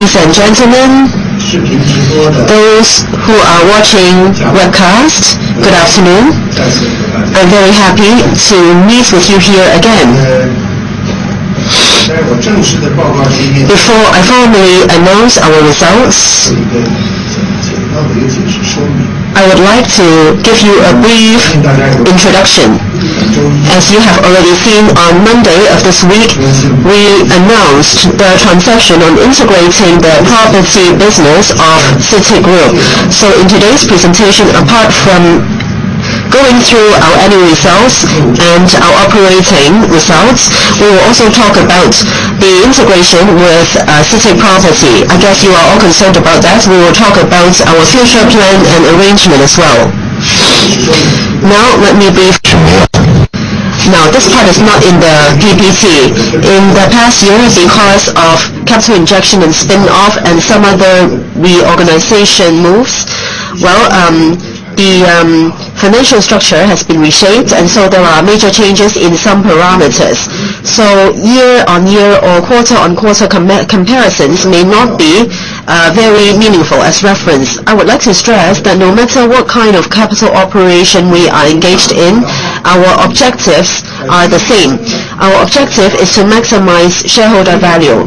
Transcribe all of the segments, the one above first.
Ladies and gentlemen, those who are watching webcast, good afternoon. I am very happy to meet with you here again. Before I formally announce our results, I would like to give you a brief introduction. As you have already seen on Monday of this week, we announced the transaction on integrating the property business of CITIC Group. In today's presentation, apart from going through our annual results and our operating results, we will also talk about the integration with CITIC Property. I guess you are all concerned about that. We will talk about our future plan and arrangement as well. This slide is not in the PPT. In the past years, because of capital injection and spin-off and some other reorganization moves, the financial structure has been reshaped, there are major changes in some parameters. Year-on-year or quarter-on-quarter comparisons may not be very meaningful as reference. I would like to stress that no matter what kind of capital operation we are engaged in, our objectives are the same. Our objective is to maximize shareholder value,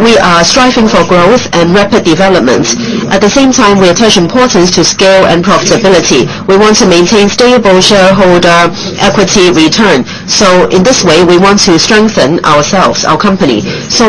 we are striving for growth and rapid development. At the same time, we attach importance to scale and profitability. We want to maintain stable shareholder equity return. In this way, we want to strengthen ourselves, our company.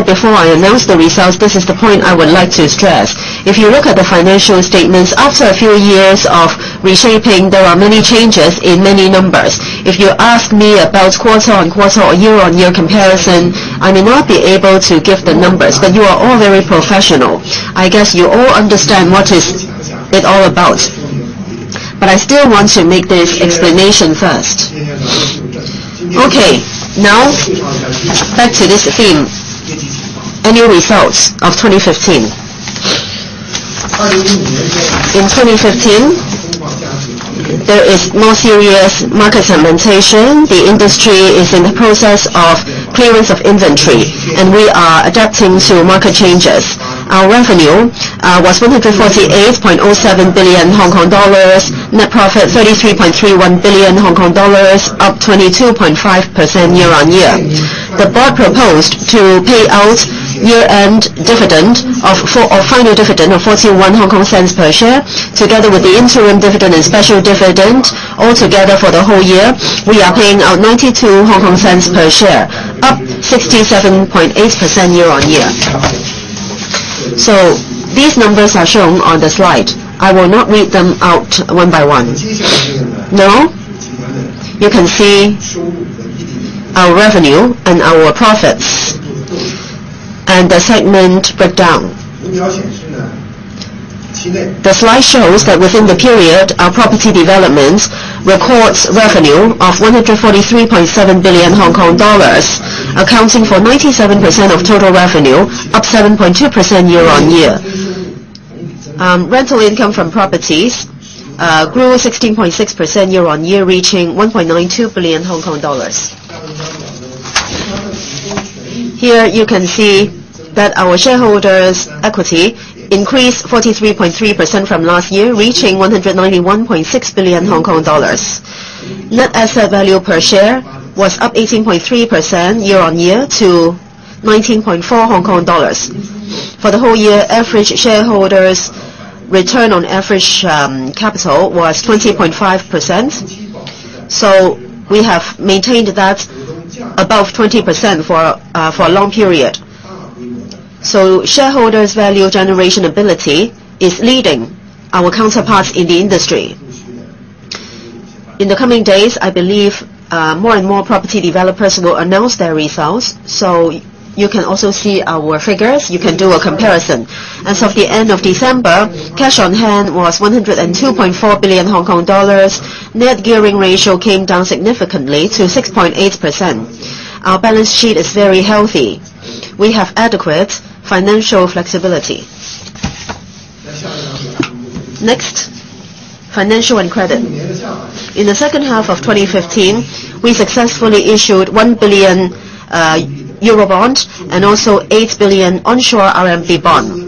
Before I announce the results, this is the point I would like to stress. If you look at the financial statements, after a few years of reshaping, there are many changes in many numbers. If you ask me about quarter-on-quarter or year-on-year comparison, I may not be able to give the numbers, you are all very professional. I guess you all understand what is it all about. I still want to make this explanation first. Back to this theme. Annual results of 2015. In 2015, there is more serious market segmentation. The industry is in the process of clearance of inventory, we are adapting to market changes. Our revenue was $148.07 billion, net profit $33.31 billion, up 22.5% year-on-year. The board proposed to pay out final dividend of 0.41 per share. Together with the interim dividend and special dividend, altogether for the whole year, we are paying out 0.92 per share, up 67.8% year-on-year. These numbers are shown on the slide. I will not read them out one by one. You can see our revenue and our profits, the segment breakdown. The slide shows that within the period, our property development records revenue of 143.7 billion Hong Kong dollars, accounting for 97% of total revenue, up 7.2% year-on-year. Rental income from properties grew 16.6% year-on-year, reaching 1.92 billion Hong Kong dollars. Here, you can see that our shareholders' equity increased 43.3% from last year, reaching 191.6 billion Hong Kong dollars. Net asset value per share was up 18.3% year-on-year to 19.4 Hong Kong dollars. For the whole year, average shareholders' return on average capital was 20.5%. We have maintained that above 20% for a long period. Shareholders' value generation ability is leading our counterparts in the industry. In the coming days, I believe more and more property developers will announce their results, you can also see our figures. You can do a comparison. As of the end of December, cash on hand was 102.4 billion Hong Kong dollars. Net gearing ratio came down significantly to 6.8%. Our balance sheet is very healthy. We have adequate financial flexibility. Next, financial and credit. In the second half of 2015, we successfully issued 1 billion euro bond and also 8 billion RMB onshore bond.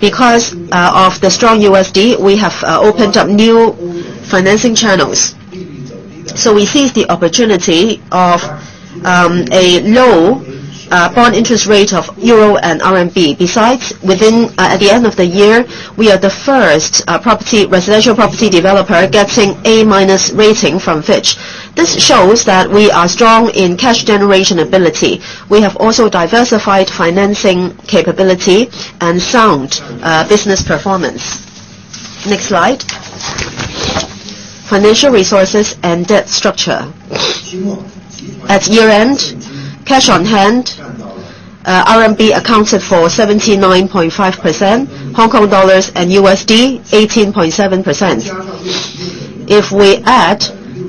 Because of the strong USD, we have opened up new financing channels. We seized the opportunity of a low bond interest rate of EUR and RMB. Besides, at the end of the year, we are the first residential property developer getting A- rating from Fitch. This shows that we are strong in cash generation ability. We have also diversified financing capability and sound business performance. Next slide, financial resources and debt structure. At year-end, cash on hand, RMB accounted for 79.5%, HKD and USD 18.7%. If we add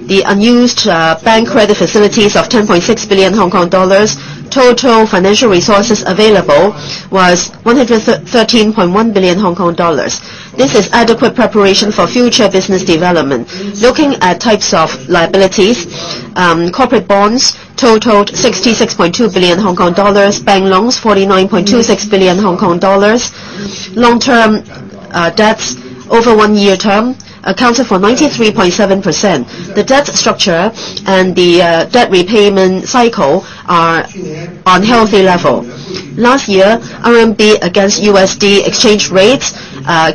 the unused bank credit facilities of 10.6 billion Hong Kong dollars, total financial resources available was 113.1 billion Hong Kong dollars. This is adequate preparation for future business development. Looking at types of liabilities, corporate bonds totaled 66.2 billion Hong Kong dollars, bank loans, 49.26 billion Hong Kong dollars. Long-term debts over one year term accounted for 93.7%. The debt structure and the debt repayment cycle are on healthy level. Last year, RMB against USD exchange rates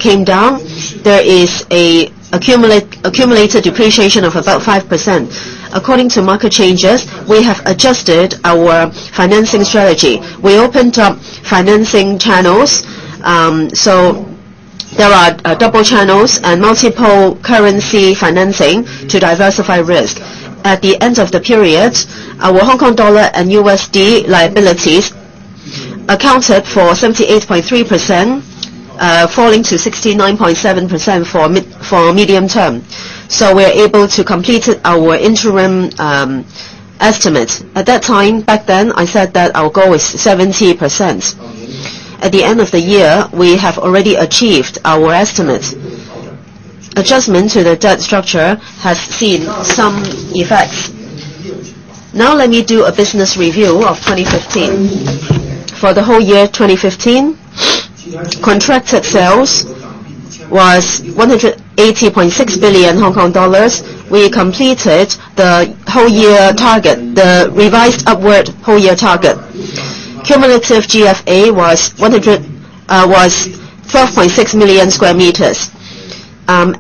came down. There is an accumulated depreciation of about 5%. According to market changes, we have adjusted our financing strategy. We opened up financing channels. There are double channels and multiple currency financing to diversify risk. At the end of the period, our HKD and USD liabilities accounted for 78.3%, falling to 69.7% for medium-term. We are able to complete our interim estimate. At that time, back then, I said that our goal is 70%. At the end of the year, we have already achieved our estimates. Adjustment to the debt structure has seen some effects. Now let me do a business review of 2015. For the whole year 2015, contracted sales was 180.6 billion Hong Kong dollars. We completed the whole year target, the revised upward whole year target. Cumulative GFA was 12.6 million sq m.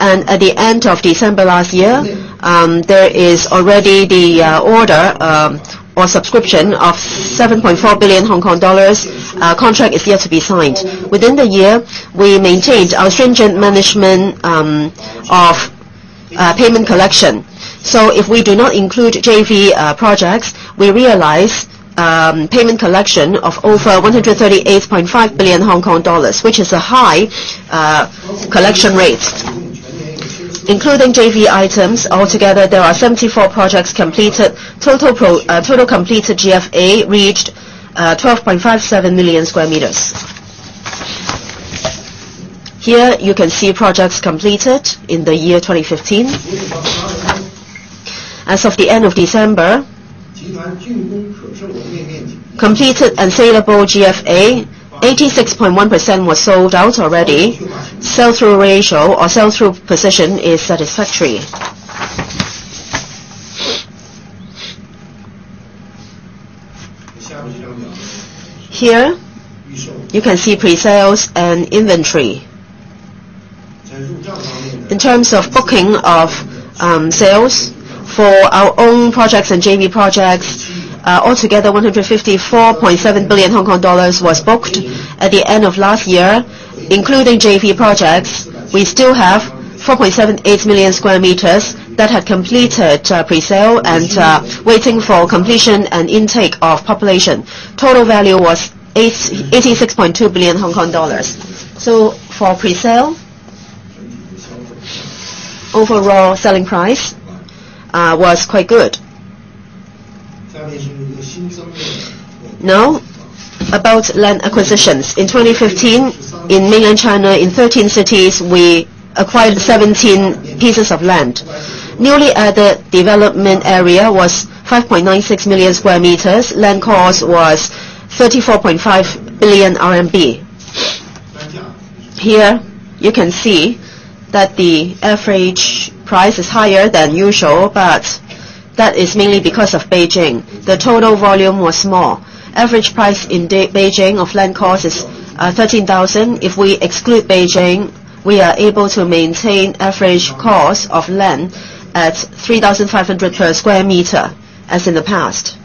At the end of December last year, there is already the order or subscription of 7.4 billion Hong Kong dollars. Contract is yet to be signed. Within the year, we maintained our stringent management of payment collection. If we do not include JV projects, we realize payment collection of over 138.5 billion Hong Kong dollars, which is a high collection rate. Including JV items, altogether there are 74 projects completed. Total completed GFA reached 12.57 million sq m. Here you can see projects completed in the year 2015. As of the end of December, completed and saleable GFA, 86.1% was sold out already. Sell-through ratio or sell-through position is satisfactory. Here, you can see pre-sales and inventory. In terms of booking of sales for our own projects and JV projects, altogether 154.7 billion Hong Kong dollars was booked at the end of last year. Including JV projects, we still have 4.78 million sq m that had completed pre-sale and waiting for completion and intake of population. Total value was 86.2 billion Hong Kong dollars. For pre-sale, overall selling price was quite good. Now, about land acquisitions. In 2015, in mainland China, in 13 cities, we acquired 17 pieces of land. Newly added development area was 5.96 million sq m. Land cost was 34.5 billion RMB. Here you can see that the average price is higher than usual, but that is mainly because of Beijing. The total volume was small. Average price in Beijing of land cost is 13,000. If we exclude Beijing, we are able to maintain average cost of land at 3,500 per square meter as in the past.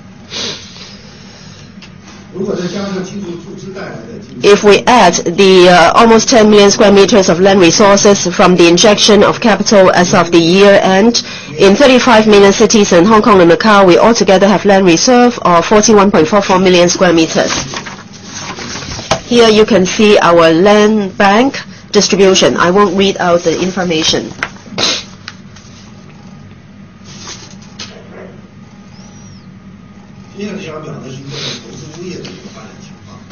If we add the almost 10 million square meters of land resources from the injection of capital as of the year-end, in 35 million cities in Hong Kong and Macau, we altogether have land reserve of 41.44 million square meters. Here you can see our land bank distribution. I won't read out the information.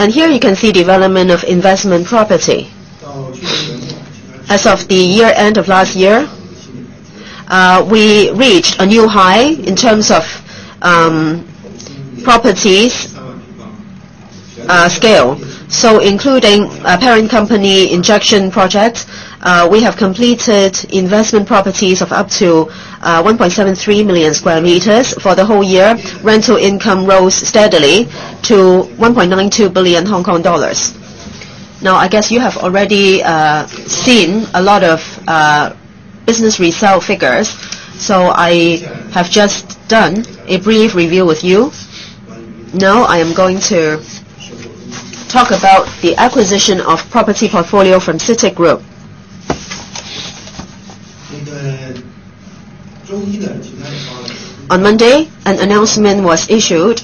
Here you can see development of investment property. As of the year-end of last year, we reached a new high in terms of properties scale. Including parent company injection projects, we have completed investment properties of up to 1.73 million square meters for the whole year. Rental income rose steadily to 1.92 billion Hong Kong dollars. Now, I guess you have already seen a lot of business resale figures. I have just done a brief review with you. Now I am going to talk about the acquisition of property portfolio from CITIC Group. On Monday, an announcement was issued.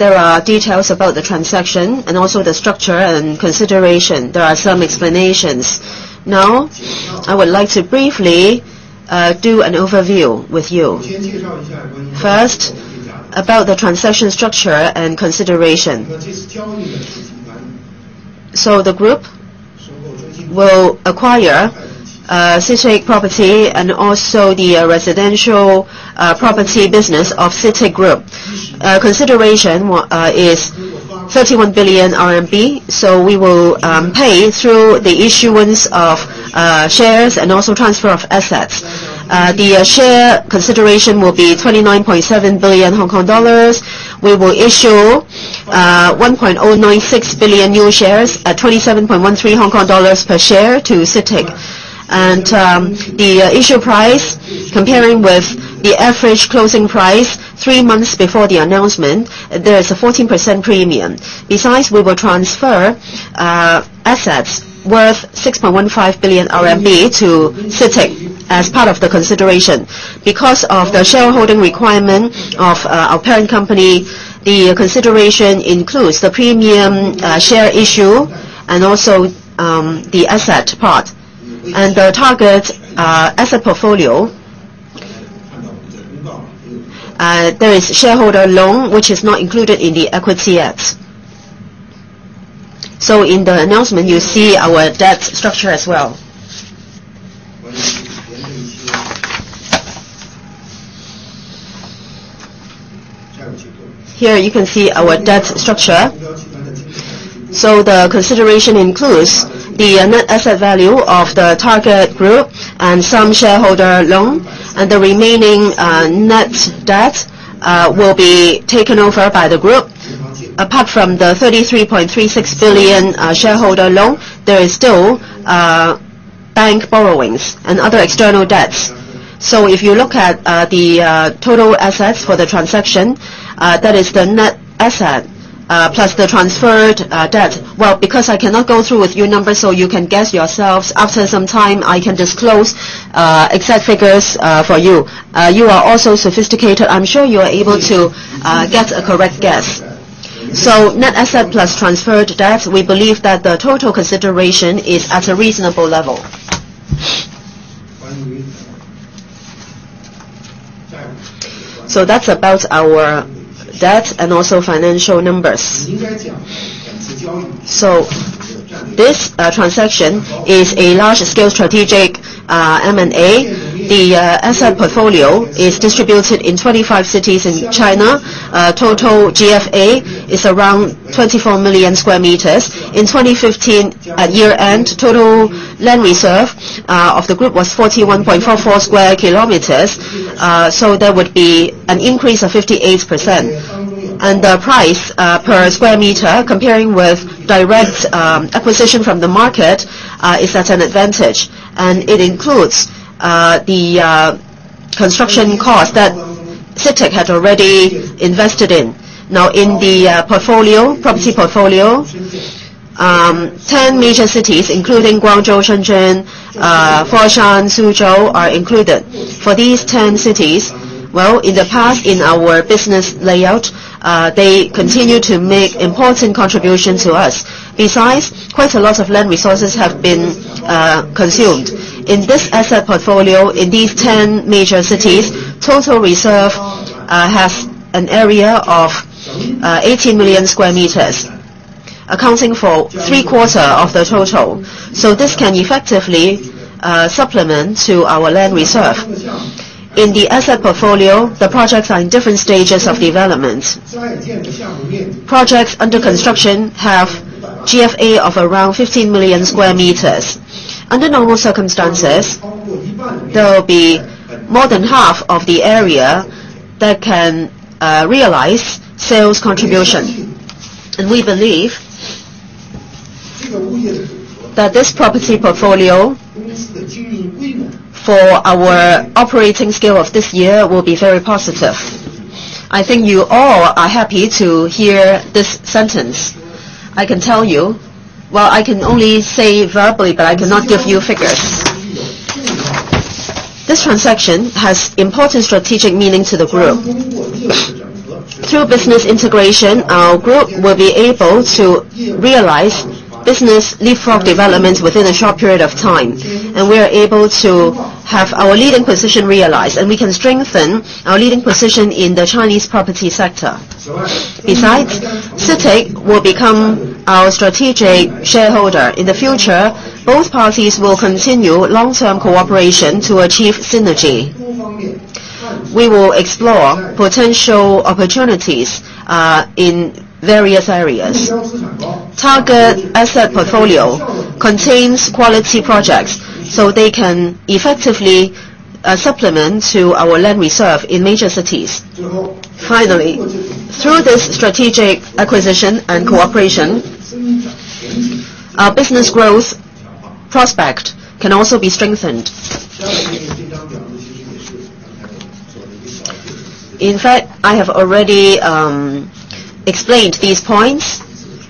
There are details about the transaction and also the structure and consideration. There are some explanations. Now, I would like to briefly do an overview with you. First, about the transaction structure and consideration. The group will acquire CITIC Group property and also the residential property business of CITIC Group. Consideration is 31 billion RMB, we will pay through the issuance of shares and also transfer of assets. The share consideration will be 29.7 billion Hong Kong dollars. We will issue 1.096 billion new shares at 27.13 Hong Kong dollars per share to CITIC. The issue price comparing with the average closing price three months before the announcement, there is a 14% premium. Besides, we will transfer assets worth 6.15 billion RMB to CITIC as part of the consideration. Because of the shareholding requirement of our parent company, the consideration includes the premium share issue and also the asset part. The target asset portfolio, there is shareholder loan which is not included in the equity yet. In the announcement, you see our debt structure as well. Here you can see our debt structure. The consideration includes the net asset value of the target group and some shareholder loan, and the remaining net debt will be taken over by the group. Apart from the 33.36 billion shareholder loan, there is still bank borrowings and other external debts. If you look at the total assets for the transaction, that is the net asset plus the transferred debt. Well, because I cannot go through with you numbers, you can guess yourselves. After some time, I can disclose exact figures for you. You are also sophisticated. I'm sure you are able to get a correct guess. Net asset plus transferred debt, we believe that the total consideration is at a reasonable level. That's about our debt and also financial numbers. This transaction is a large scale strategic M&A. The asset portfolio is distributed in 25 cities in China. Total GFA is around 24 million square meters. In 2015, at year-end, total land reserve of the group was 41.44 square kilometers. There would be an increase of 58%. The price per square meter, comparing with direct acquisition from the market, is at an advantage, and it includes the construction cost that CITIC have already invested in. Now in the property portfolio, 10 major cities, including Guangzhou, Shenzhen, Foshan, Suzhou are included. For these 10 cities, well, in the past, in our business layout, they continue to make important contribution to us. Besides, quite a lot of land resources have been consumed. In this asset portfolio, in these 10 major cities, total reserve has an area of 18 million sq m, accounting for three-quarter of the total. This can effectively supplement to our land reserve. In the asset portfolio, the projects are in different stages of development. Projects under construction have GFA of around 15 million sq m. Under normal circumstances, there will be more than half of the area that can realize sales contribution. We believe that this property portfolio for our operating scale of this year will be very positive. I think you all are happy to hear this sentence. I can tell you, well, I can only say verbally, but I cannot give you figures. This transaction has important strategic meaning to the group. Through business integration, our group will be able to realize business leapfrog developments within a short period of time, we are able to have our leading position realized, and we can strengthen our leading position in the Chinese property sector. Besides, CITIC will become our strategic shareholder. In the future, both parties will continue long-term cooperation to achieve synergy. We will explore potential opportunities in various areas. Target asset portfolio contains quality projects, they can effectively supplement to our land reserve in major cities. Finally, through this strategic acquisition and cooperation, our business growth prospect can also be strengthened. In fact, I have already explained these points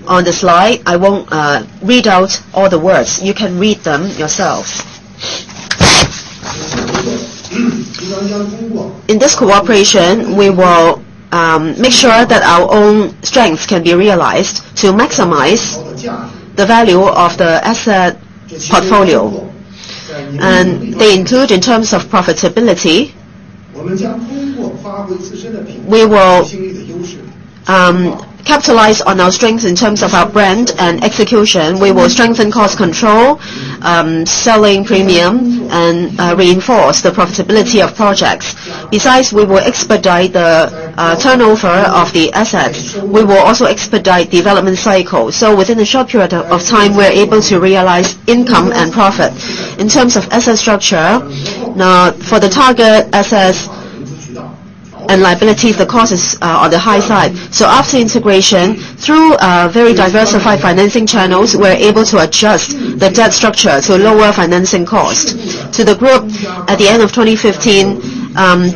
on the slide. I won't read out all the words. You can read them yourselves. In this cooperation, we will make sure that our own strengths can be realized to maximize the value of the asset portfolio. They include, in terms of profitability. We will capitalize on our strengths in terms of our brand and execution. We will strengthen cost control, selling premium, and reinforce the profitability of projects. Besides, we will expedite the turnover of the assets. We will also expedite the development cycle. Within a short period of time, we are able to realize income and profit. In terms of asset structure, now for the target assets and liabilities, the cost is on the high side. After integration, through very diversified financing channels, we are able to adjust the debt structure to lower financing cost. The group, at the end of 2015,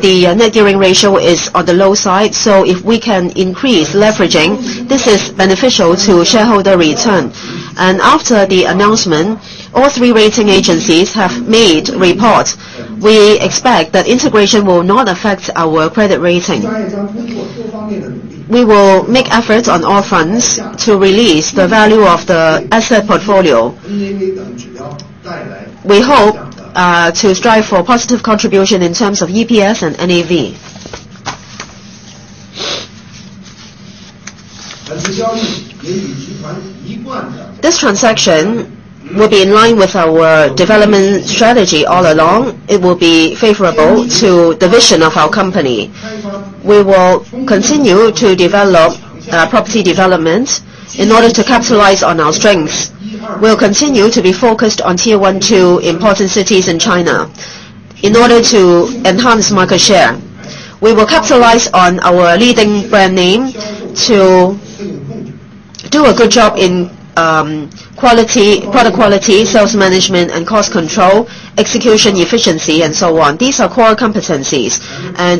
the net gearing ratio is on the low side. If we can increase leveraging, this is beneficial to shareholder return. After the announcement, all three rating agencies have made reports. We expect that integration will not affect our credit rating. We will make efforts on all fronts to release the value of the asset portfolio. We hope to strive for positive contribution in terms of EPS and NAV. This transaction will be in line with our development strategy all along. It will be favorable to the vision of our company. We will continue to develop property developments in order to capitalize on our strengths. We will continue to be focused on tier 1, 2 important cities in China in order to enhance market share. We will capitalize on our leading brand name to do a good job in product quality, sales management, and cost control, execution efficiency and so on. These are core competencies.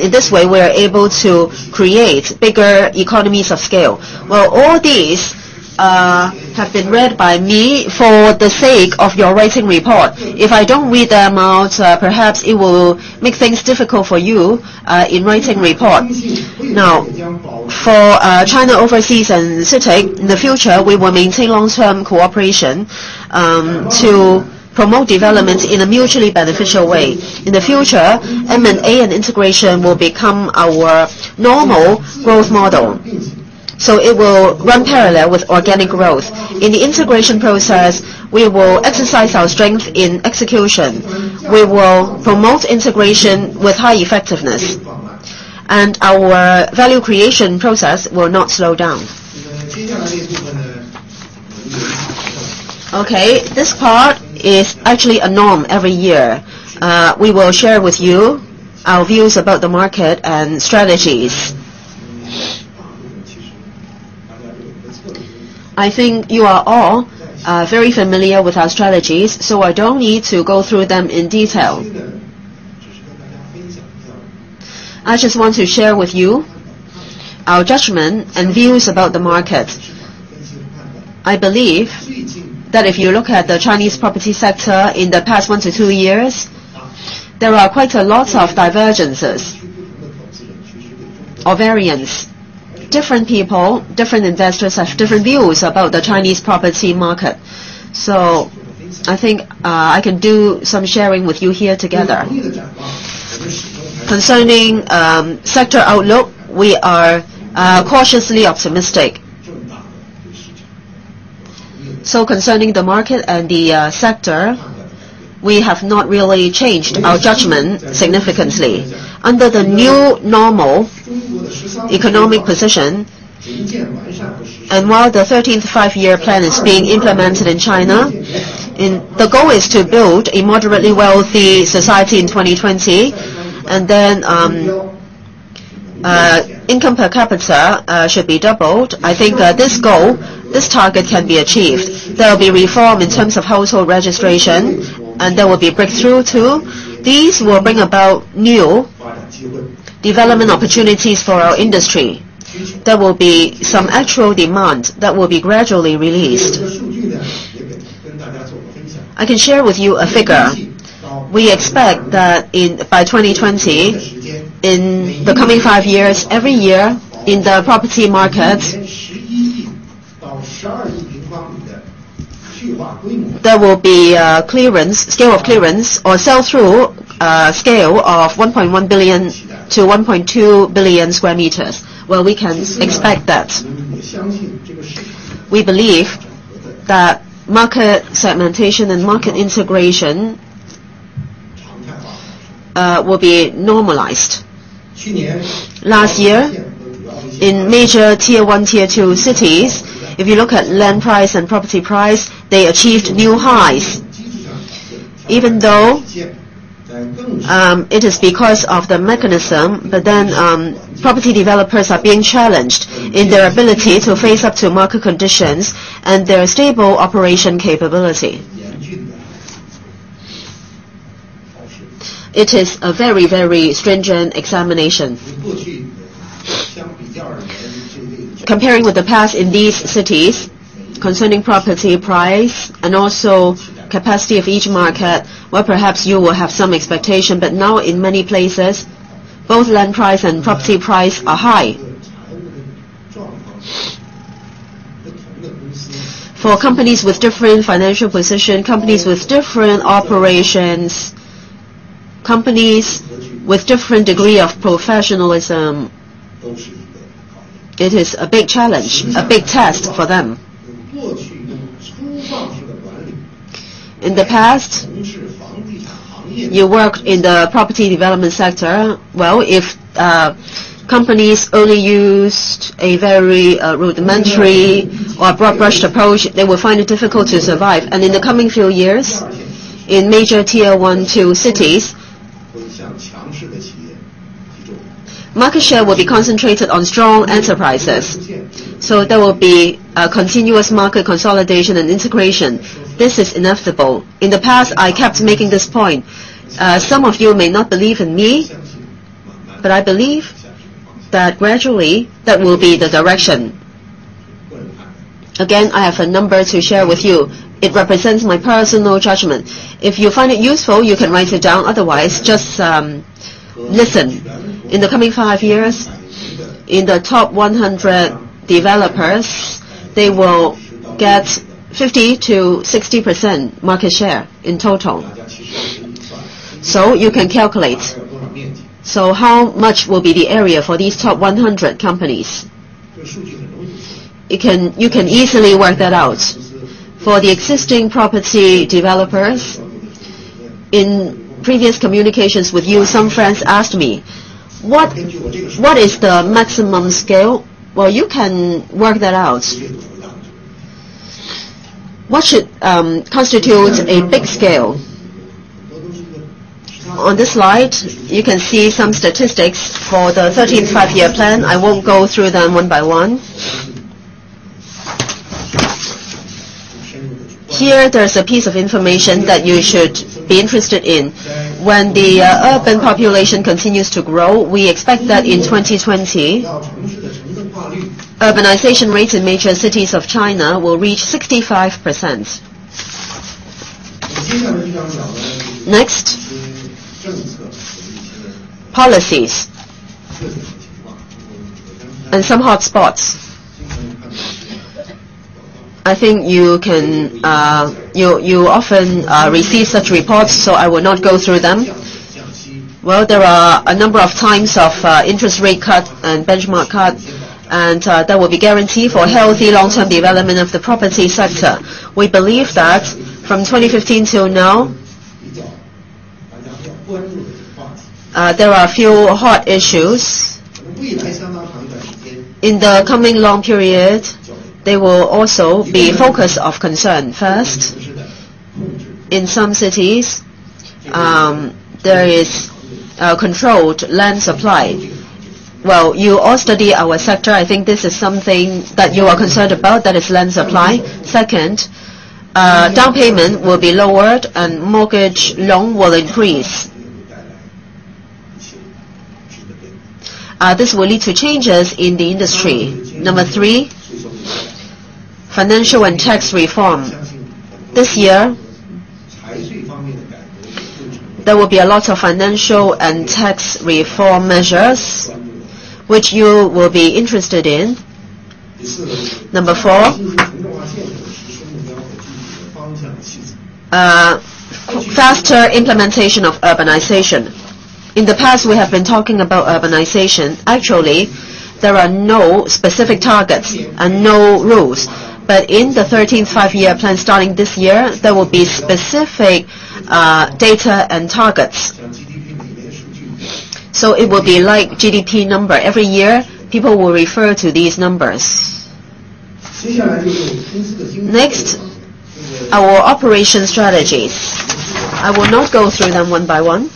In this way, we are able to create bigger economies of scale. Well, all these have been read by me for the sake of your writing report. If I don't read them out, perhaps it will make things difficult for you in writing report. For China Overseas and CITIC, in the future, we will maintain long-term cooperation to promote development in a mutually beneficial way. In the future, M&A and integration will become our normal growth model. It will run parallel with organic growth. In the integration process, we will exercise our strength in execution. We will promote integration with high effectiveness, and our value creation process will not slow down. Okay, this part is actually a norm every year. We will share with you our views about the market and strategies. I think you are all very familiar with our strategies, I don't need to go through them in detail. I just want to share with you our judgment and views about the market. I believe that if you look at the Chinese property sector in the past one to two years, there are quite a lot of divergences or variance. Different people, different investors have different views about the Chinese property market. I think I can do some sharing with you here together. Concerning sector outlook, we are cautiously optimistic. Concerning the market and the sector, we have not really changed our judgment significantly. Under the new normal economic position, while the 13th Five-Year Plan is being implemented in China, the goal is to build a moderately wealthy society in 2020, then income per capita should be doubled. I think that this goal, this target can be achieved. There will be reform in terms of household registration and there will be a breakthrough too. These will bring about new development opportunities for our industry. There will be some actual demand that will be gradually released. I can share with you a figure. We expect that by 2020, in the coming five years, every year in the property market, there will be a scale of clearance or sell-through scale of 1.1 billion-1.2 billion square meters. Well, we can expect that. We believe that market segmentation and market integration will be normalized. Last year, in major tier 1, tier 2 cities, if you look at land price and property price, they achieved new highs. Even though it is because of the mechanism, property developers are being challenged in their ability to face up to market conditions and their stable operation capability. It is a very stringent examination. Comparing with the past in these cities, concerning property price and also capacity of each market, well perhaps you will have some expectation, but now in many places, both land price and property price are high. For companies with different financial position, companies with different operations, companies with different degree of professionalism, it is a big challenge, a big test for them. In the past, you worked in the property development sector. Well, if companies only used a very rudimentary or broad-brushed approach, they will find it difficult to survive. In the coming few years, in major tier 1, 2 cities, market share will be concentrated on strong enterprises. There will be a continuous market consolidation and integration. This is inevitable. In the past, I kept making this point. Some of you may not believe in me, but I believe that gradually, that will be the direction. Again, I have a number to share with you. It represents my personal judgment. If you find it useful, you can write it down, otherwise, just listen. In the coming five years, in the top 100 developers, they will get 50%-60% market share in total. You can calculate. How much will be the area for these top 100 companies? You can easily work that out. For the existing property developers, in previous communications with you, some friends asked me, "What is the maximum scale?" Well, you can work that out. What should constitute a big scale? On this slide, you can see some statistics for the 13th Five-Year Plan. I won't go through them one by one. Here, there's a piece of information that you should be interested in. When the urban population continues to grow, we expect that in 2020, urbanization rates in major cities of China will reach 65%. Next, policies and some hotspots. I think you often receive such reports. I will not go through them. Well, there are a number of times of interest rate cut and benchmark cut, and that will be guarantee for healthy long-term development of the property sector. We believe that from 2015 till now, there are a few hot issues. In the coming long period, they will also be focus of concern. First, in some cities, there is a controlled land supply. Well, you all study our sector. I think this is something that you are concerned about, that is land supply. Second, down payment will be lowered, and mortgage loan will increase. This will lead to changes in the industry. Number 3, financial and tax reform. This year, there will be a lot of financial and tax reform measures which you will be interested in. Number 4, faster implementation of urbanization. In the past, we have been talking about urbanization. Actually, there are no specific targets and no rules. In the 13th Five-Year Plan starting this year, there will be specific data and targets. It will be like GDP number. Every year, people will refer to these numbers. Next, our operation strategy. I will not go through them one by one.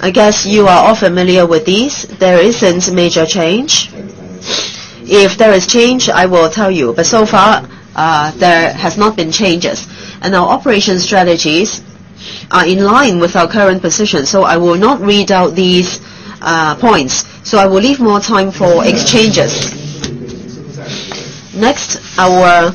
I guess you are all familiar with these. There isn't major change. If there is change, I will tell you, so far, there has not been changes, and our operation strategies are in line with our current position. I will not read out these points. I will leave more time for exchanges. Next, our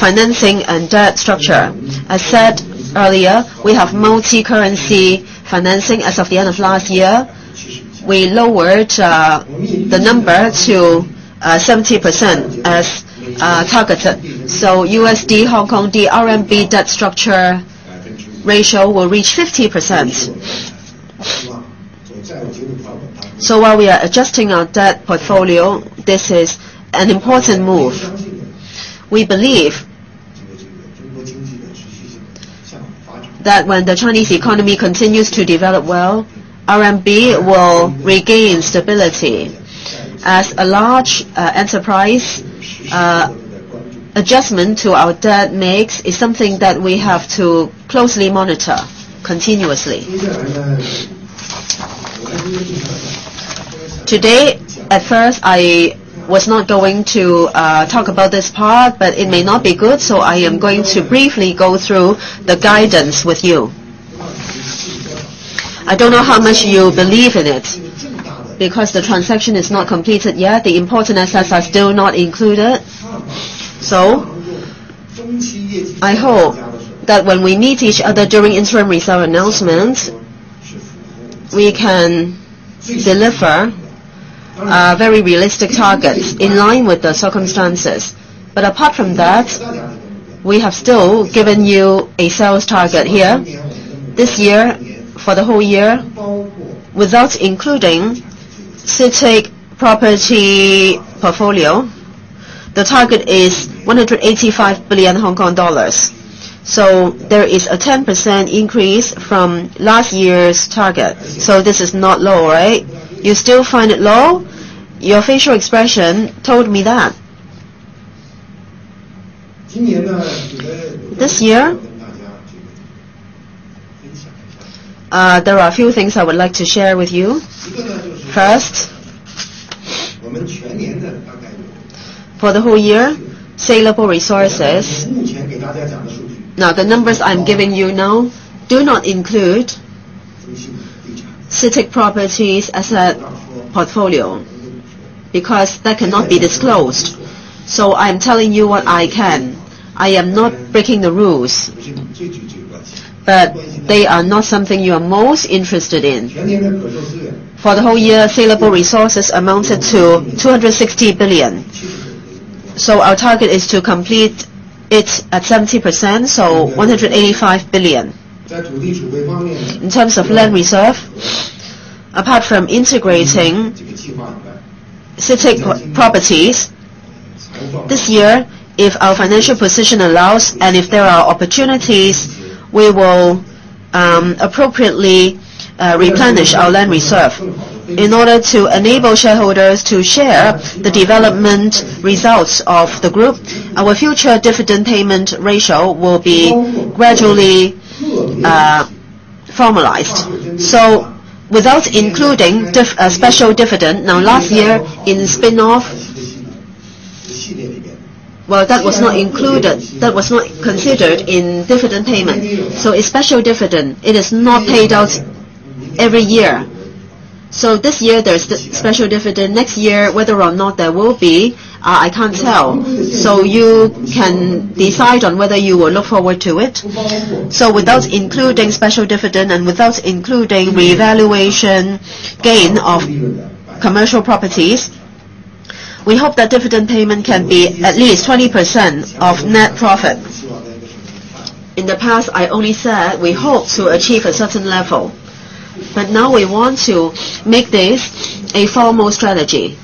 financing and debt structure. I said earlier, we have multi-currency financing as of the end of last year. We lowered the number to 70% as targeted. USD, HKD, RMB debt structure ratio will reach 50%. While we are adjusting our debt portfolio, this is an important move. We believe that when the Chinese economy continues to develop well, RMB will regain stability. As a large enterprise, adjustment to our debt mix is something that we have to closely monitor continuously. Today, at first, I was not going to talk about this part, but it may not be good, so I am going to briefly go through the guidance with you. I don't know how much you believe in it because the transaction is not completed yet. The important assets are still not included. I hope that when we meet each other during interim results announcements, We can deliver a very realistic target in line with the circumstances. Apart from that, we have still given you a sales target here this year for the whole year without including CITIC Property portfolio. The target is 185 billion Hong Kong dollars. There is a 10% increase from last year's target. This is not low, right? You still find it low? Your facial expression told me that. This year, there are a few things I would like to share with you. First, for the whole year, saleable resources. The numbers I'm giving you now do not include CITIC Properties asset portfolio, because that cannot be disclosed. I'm telling you what I can. I am not breaking the rules, but they are not something you are most interested in. For the whole year, saleable resources amounted to 260 billion. Our target is to complete it at 70%, so 185 billion. In terms of land reserve, apart from integrating CITIC Properties, this year, if our financial position allows and if there are opportunities, we will appropriately replenish our land reserve. In order to enable shareholders to share the development results of the group, our future dividend payment ratio will be gradually formalized. Without including a special dividend, last year in spin-off, well, that was not considered in dividend payment. A special dividend, it is not paid out every year. This year, there is special dividend. Next year, whether or not there will be, I can't tell. You can decide on whether you will look forward to it. Without including special dividend and without including revaluation gain of commercial properties, we hope that dividend payment can be at least 20% of net profit. In the past, I only said we hope to achieve a certain level. Now we want to make this a formal strategy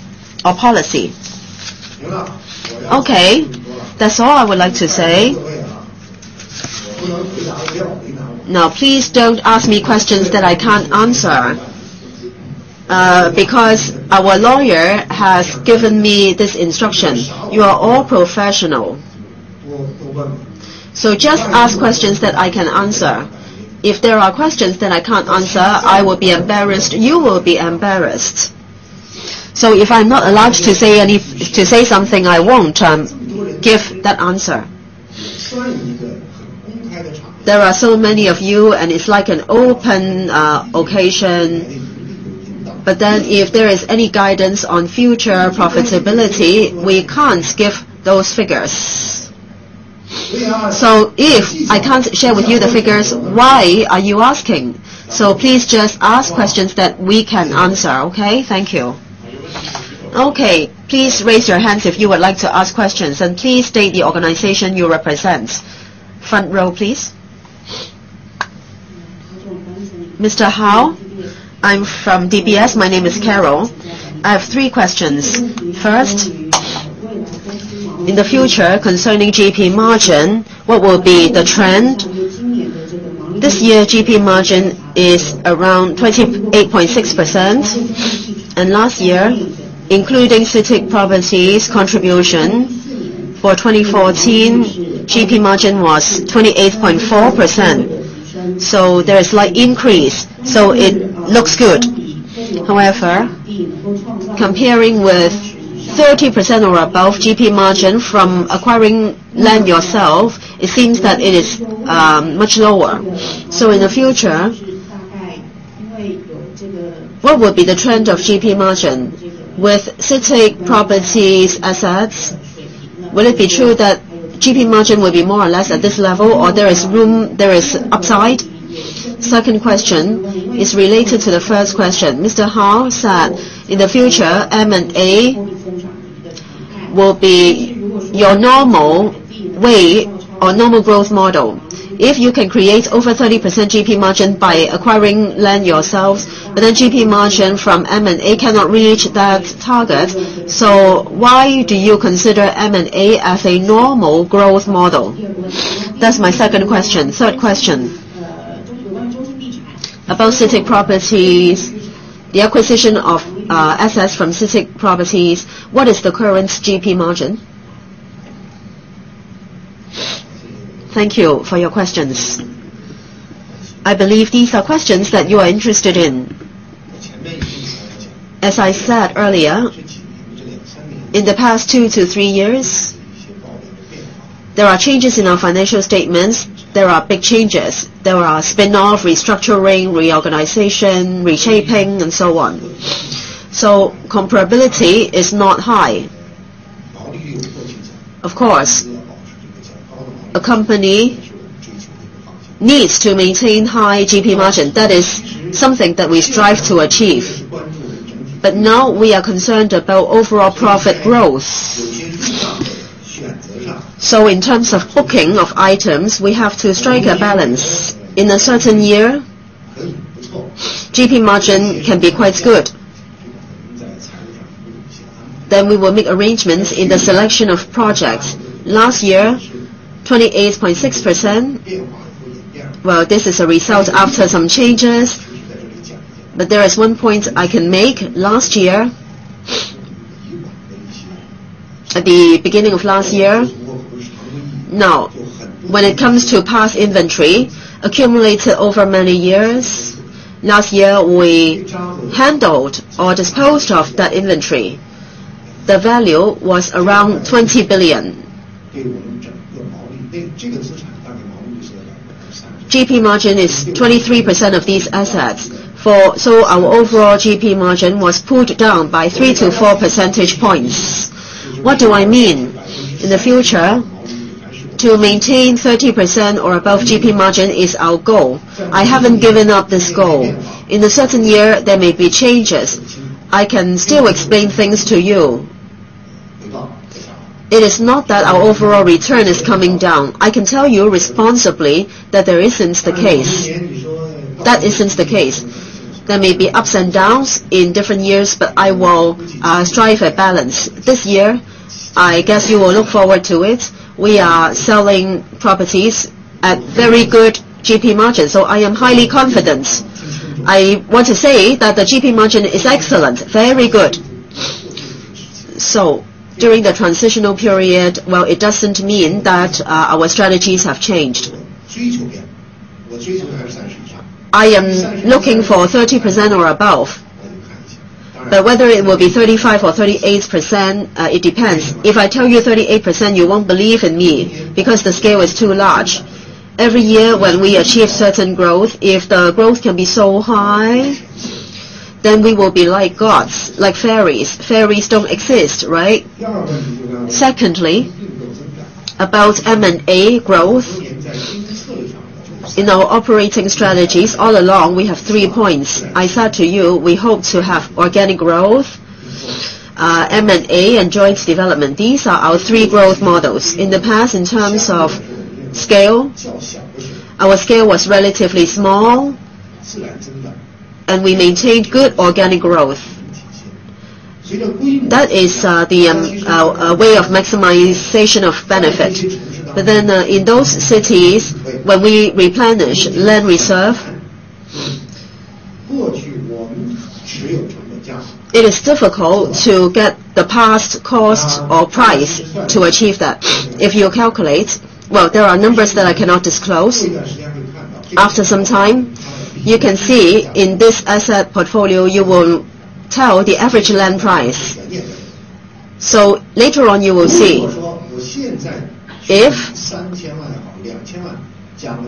or policy. Okay. That's all I would like to say. Please don't ask me questions that I can't answer, because our lawyer has given me this instruction. You are all professional. Just ask questions that I can answer. If there are questions that I can't answer, I will be embarrassed, you will be embarrassed. If I'm not allowed to say something, I won't give that answer. There are so many of you, and it's like an open occasion. If there is any guidance on future profitability, we can't give those figures. If I can't share with you the figures, why are you asking? Please just ask questions that we can answer, okay? Thank you. Okay, please raise your hands if you would like to ask questions, and please state the organization you represent. Front row, please. Mr. Hao, I'm from DPS. My name is Carol. I have three questions. First, in the future, concerning GP margin, what will be the trend? This year, GP margin is around 28.6%, and last year, including CITIC Properties contribution for 2014, GP margin was 28.4%. There is slight increase, it looks good. However, comparing with 30% or above GP margin from acquiring land yourself, it seems that it is much lower. In the future, what would be the trend of GP margin? With CITIC Properties assets, will it be true that GP margin will be more or less at this level, or there is upside? Second question is related to the first question. Mr. Hao said in the future, M&A will be your normal way or normal growth model. If you can create over 30% GP margin by acquiring land yourselves, GP margin from M&A cannot reach that target, why do you consider M&A as a normal growth model? That's my second question. Third question, about CITIC Properties, the acquisition of assets from CITIC Properties, what is the current GP margin? Thank you for your questions. I believe these are questions that you are interested in. As I said earlier, in the past two to three years, there are changes in our financial statements. There are big changes. There are spin-off, restructuring, reorganization, reshaping, and so on. Comparability is not high. Of course. A company needs to maintain high GP margin. That is something that we strive to achieve. Now we are concerned about overall profit growth. In terms of booking of items, we have to strike a balance. In a certain year, GP margin can be quite good. We will make arrangements in the selection of projects. Last year, 28.6%. Well, this is a result after some changes. There is one point I can make. Last year, at the beginning of last year, when it comes to past inventory accumulated over many years, last year, we handled or disposed of that inventory. The value was around 20 billion. GP margin is 23% of these assets, our overall GP margin was pulled down by three to four percentage points. What do I mean? In the future, to maintain 30% or above GP margin is our goal. I haven't given up this goal. In a certain year, there may be changes. I can still explain things to you. It is not that our overall return is coming down. I can tell you responsibly that that isn't the case. There may be ups and downs in different years, I will strive for a balance. This year, I guess you will look forward to it. We are selling properties at very good GP margins, I am highly confident. I want to say that the GP margin is excellent, very good. During the transitional period, it doesn't mean that our strategies have changed. I am looking for 30% or above, whether it will be 35% or 38%, it depends. If I tell you 38%, you won't believe in me because the scale is too large. Every year when we achieve certain growth, if the growth can be so high, we will be like gods, like fairies. Fairies don't exist, right? Secondly, about M&A growth. In our operating strategies all along, we have three points. I said to you, we hope to have organic growth, M&A, and joint development. These are our three growth models. In the past, in terms of scale, our scale was relatively small, and we maintained good organic growth. That is our way of maximization of benefit. In those cities where we replenish land reserve, it is difficult to get the past cost or price to achieve that. If you calculate, well, there are numbers that I cannot disclose. After some time, you can see in this asset portfolio, you will tell the average land price. Later on you will see. If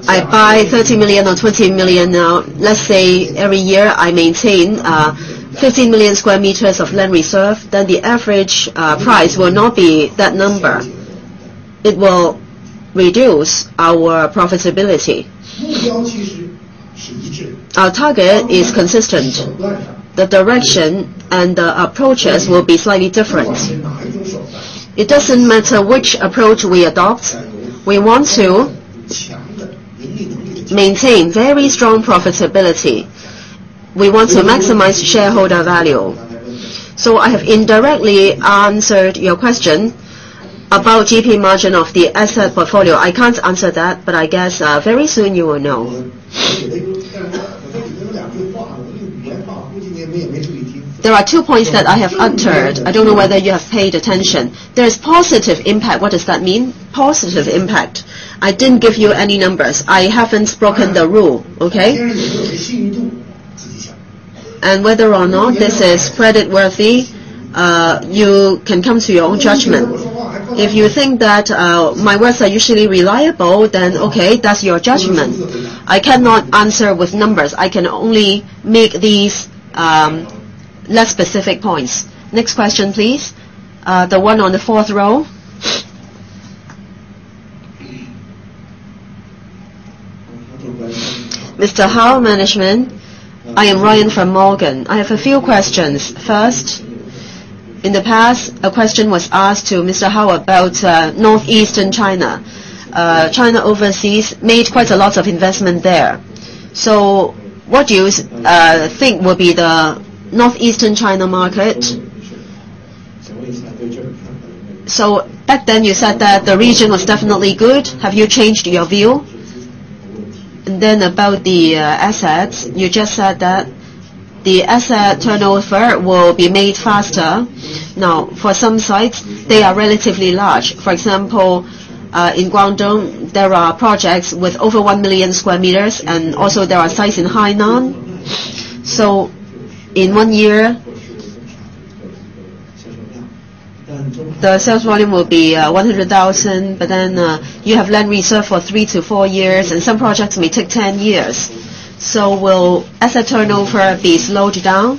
I buy 30 million or 20 million now, let's say every year I maintain 15 million square meters of land reserve, then the average price will not be that number. It will reduce our profitability. Our target is consistent. The direction and the approaches will be slightly different. It doesn't matter which approach we adopt, we want to maintain very strong profitability. We want to maximize shareholder value. I have indirectly answered your question about GP margin of the asset portfolio. I can't answer that, but I guess very soon you will know. There are two points that I have uttered. I don't know whether you have paid attention. There is positive impact. What does that mean? Positive impact. I didn't give you any numbers. I haven't broken the rule, okay? Whether or not this is creditworthy, you can come to your own judgment. If you think that my words are usually reliable, then okay, that's your judgment. I cannot answer with numbers. I can only make these less specific points. Next question, please. The one on the fourth row. Mr. Hao, management. I am Ryan from Morgan. I have a few questions. First, in the past, a question was asked to Mr. Hao about Northeastern China. China Overseas made quite a lot of investment there. What do you think will be the Northeastern China market? Back then you said that the region was definitely good. Have you changed your view? About the assets, you just said that the asset turnover will be made faster. Now, for some sites, they are relatively large. For example, in Guangdong, there are projects with over 1 million square meters, and also there are sites in Hainan. In one year, the sales volume will be 100,000, but then you have land reserve for 3 to 4 years, and some projects may take 10 years. Will asset turnover be slowed down?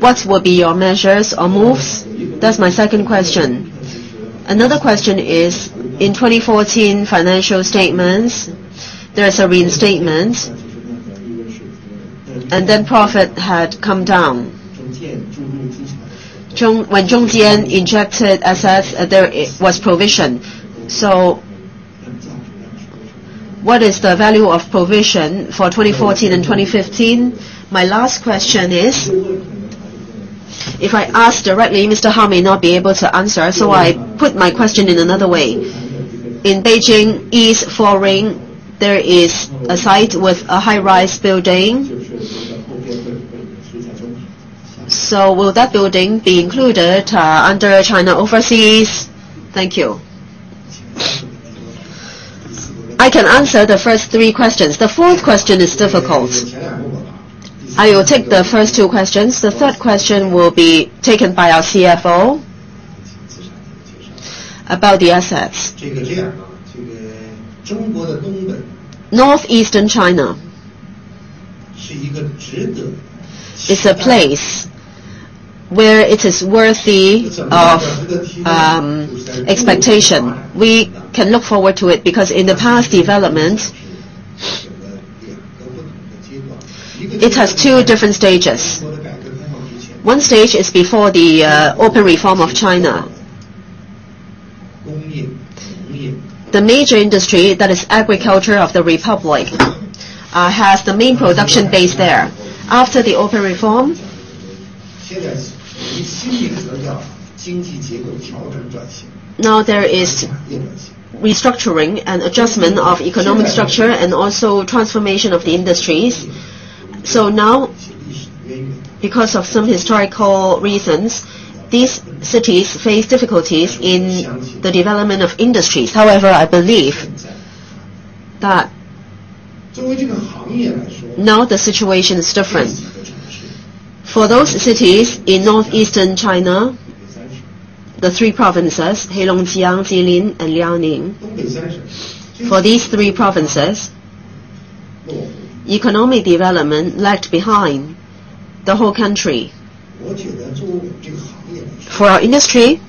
What will be your measures or moves? That's my second question. Another question is, in 2014 financial statements, there is a reinstatement, and then profit had come down. When Zhongjian injected assets, there was provision. What is the value of provision for 2014 and 2015? My last question is, if I ask directly, Mr. Hao may not be able to answer, I put my question in another way. In Beijing East Four Ring, there is a site with a high-rise building. Will that building be included under China Overseas? Thank you. I can answer the first three questions. The fourth question is difficult. I will take the first two questions. The third question will be taken by our CFO about the assets. Northeastern China is a place where it is worthy of expectation. We can look forward to it because in the past developments, it has two different stages. One stage is before the open reform of China. The major industry, that is agriculture of the Republic, has the main production base there. After the open reform, there is restructuring and adjustment of economic structure and also transformation of the industries. Because of some historical reasons, these cities face difficulties in the development of industries. However, I believe that the situation is different. For those cities in northeastern China, the three provinces, Heilongjiang, Jilin, and Liaoning. For these three provinces, economic development lagged behind the whole country. For our industry,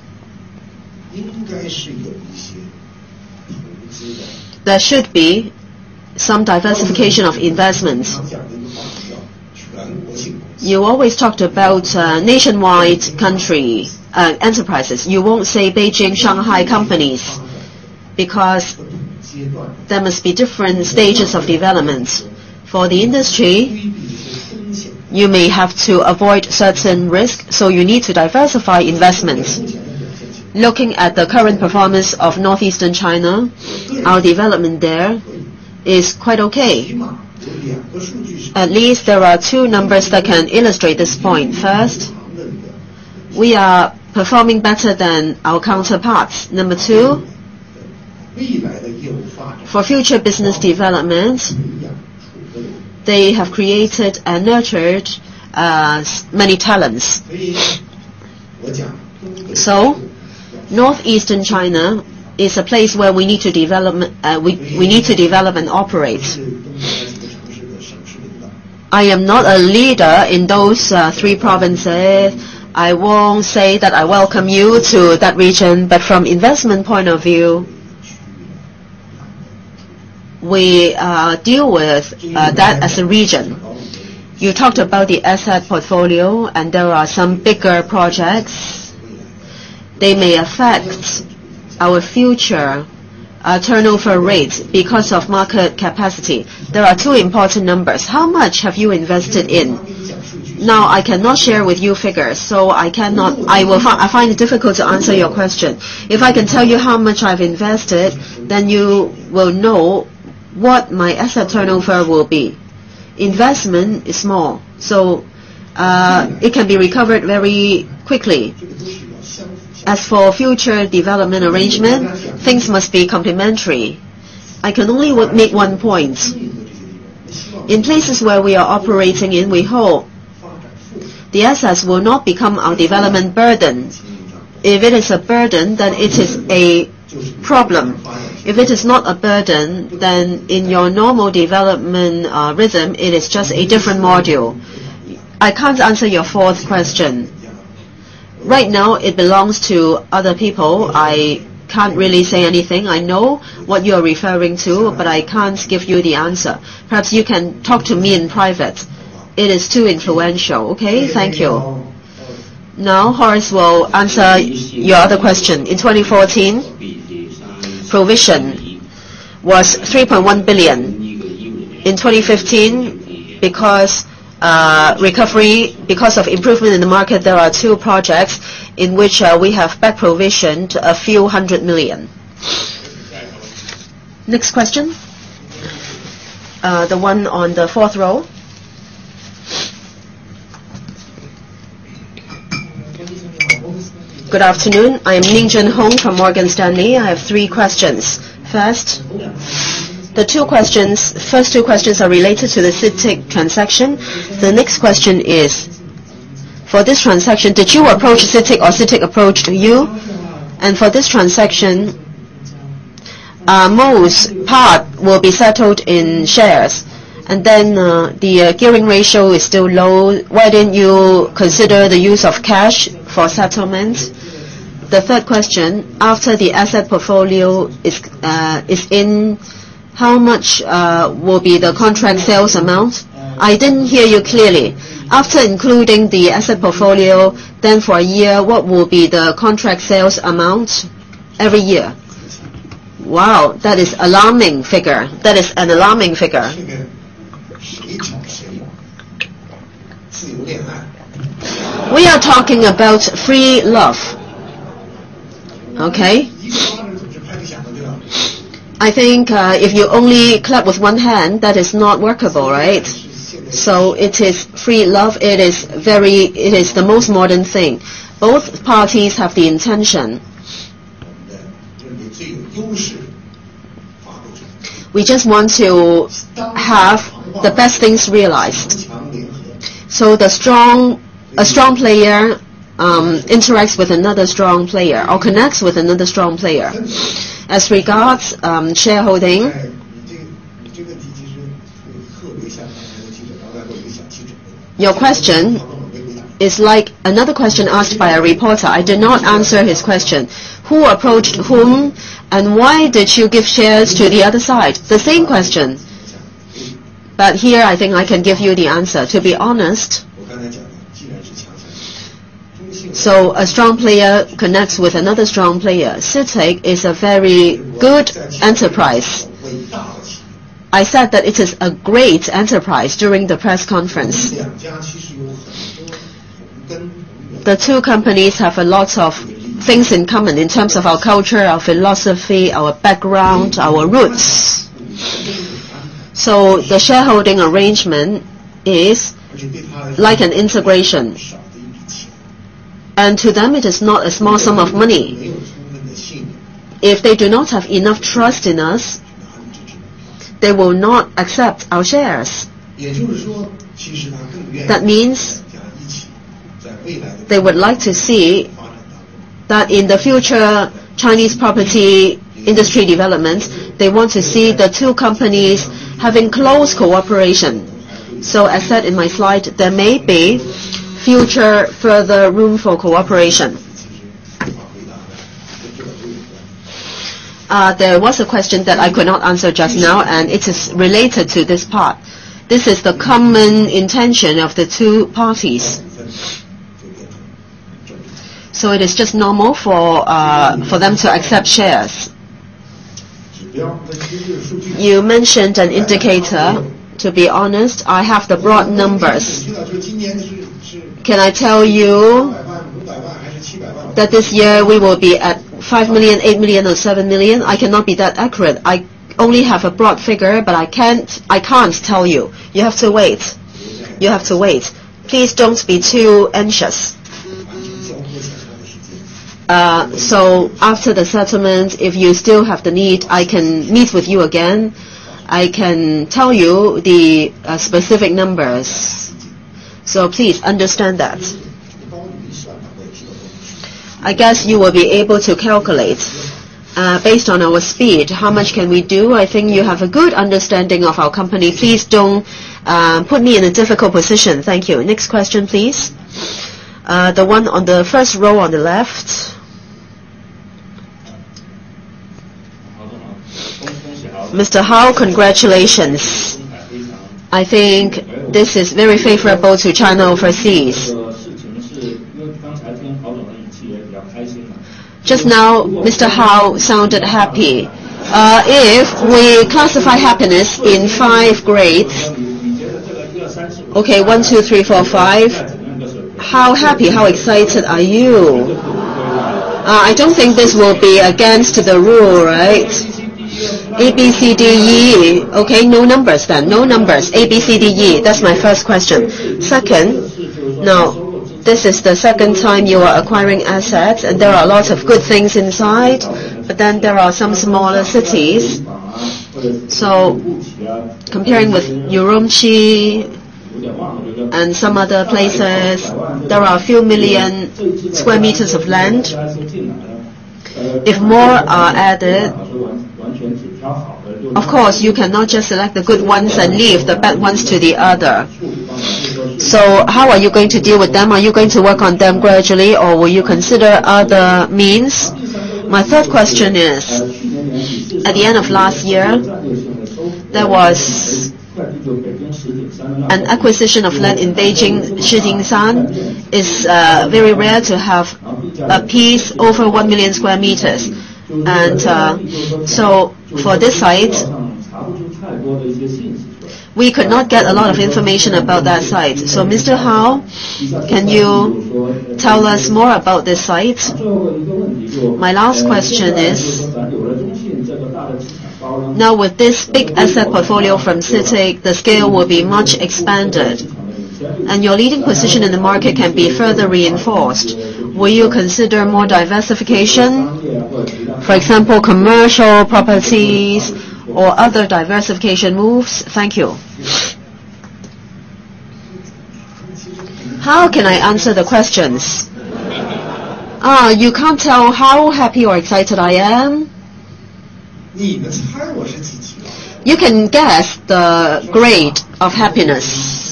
there should be some diversification of investments. You always talked about nationwide country enterprises. You won't say Beijing, Shanghai companies, because there must be different stages of developments. For the industry, you may have to avoid certain risk, so you need to diversify investments. Looking at the current performance of northeastern China, our development there is quite okay. At least there are two numbers that can illustrate this point. First, we are performing better than our counterparts. Number two, for future business developments, they have created and nurtured many talents. Northeastern China is a place where we need to develop and operate. I am not a leader in those three provinces. I won't say that I welcome you to that region. From investment point of view, we deal with that as a region. You talked about the asset portfolio and there are some bigger projects. They may affect our future turnover rates because of market capacity. There are two important numbers. How much have you invested in? I cannot share with you figures, so I find it difficult to answer your question. If I can tell you how much I've invested, then you will know what my asset turnover will be. Investment is small, so it can be recovered very quickly. As for future development arrangement, things must be complementary. I can only make one point. In places where we are operating in, we hope the assets will not become our development burdens. If it is a burden, then it is a problem. If it is not a burden, then in your normal development rhythm, it is just a different module. I can't answer your fourth question. Right now, it belongs to other people. I can't really say anything. I know what you are referring to, but I can't give you the answer. Perhaps you can talk to me in private. It is too influential. Okay. Thank you. Horace will answer your other question. In 2014, provision was 3.1 billion. In 2015, because of improvement in the market, there are two projects in which we have back provisioned a few hundred million. Next question. The one on the fourth row. Good afternoon. I am Ning Junhong from Morgan Stanley. I have three questions. First, the first two questions are related to the CITIC transaction. The next question is, for this transaction, did you approach CITIC or CITIC approach you? For this transaction, most part will be settled in shares, the gearing ratio is still low. Why didn't you consider the use of cash for settlement? The third question, after the asset portfolio is in, how much will be the contract sales amount? I didn't hear you clearly. After including the asset portfolio, then for a year, what will be the contract sales amount every year? Wow, that is alarming figure. That is an alarming figure. We are talking about free love. Okay. I think if you only clap with one hand, that is not workable, right? It is free love. It is the most modern thing. Both parties have the intention. We just want to have the best things realized. A strong player interacts with another strong player or connects with another strong player. As regards shareholding- Your question is like another question asked by a reporter. I did not answer his question. Who approached whom, and why did you give shares to the other side? The same question. Here, I think I can give you the answer. To be honest, a strong player connects with another strong player. CITIC is a very good enterprise. I said that it is a great enterprise during the press conference. The two companies have a lot of things in common in terms of our culture, our philosophy, our background, our roots. The shareholding arrangement is like an integration. To them, it is not a small sum of money. If they do not have enough trust in us, they will not accept our shares. That means they would like to see that in the future Chinese property industry development, they want to see the two companies having close cooperation. I said in my slide, there may be future further room for cooperation. There was a question that I could not answer just now, and it is related to this part. This is the common intention of the two parties. It is just normal for them to accept shares. You mentioned an indicator. To be honest, I have the broad numbers. Can I tell you that this year we will be at 5 million, 8 million, or 7 million? I cannot be that accurate. I only have a broad figure, I can't tell you. You have to wait. You have to wait. Please don't be too anxious. After the settlement, if you still have the need, I can meet with you again. I can tell you the specific numbers. Please understand that. I guess you will be able to calculate. Based on our speed, how much can we do? I think you have a good understanding of our company. Please don't put me in a difficult position. Thank you. Next question, please. The one on the first row on the left. Mr. Hao, congratulations. I think this is very favorable to China Overseas. Just now, Mr. Hao sounded happy. If we classify happiness in 5 grades. One, two, three, four, five. How happy, how excited are you? I don't think this will be against the rule, right? A, B, C, D, E. No numbers then. No numbers. A, B, C, D, E. That's my first question. This is the second time you are acquiring assets, there are a lot of good things inside, there are some smaller cities. Comparing with Urumqi and some other places, there are a few million square meters of land. If more are added, of course, you cannot just select the good ones and leave the bad ones to the other. How are you going to deal with them? Are you going to work on them gradually, or will you consider other means? My third question is, at the end of last year, there was an acquisition of land in Beijing, Shijingshan. It's very rare to have a piece over 1 million square meters. For this site, we could not get a lot of information about that site. Mr. Hao, can you tell us more about this site? My last question is, now with this big asset portfolio from CITIC, the scale will be much expanded, and your leading position in the market can be further reinforced. Will you consider more diversification? For example, commercial properties or other diversification moves. Thank you. How can I answer the questions? You cannot tell how happy or excited I am. You can guess the grade of happiness.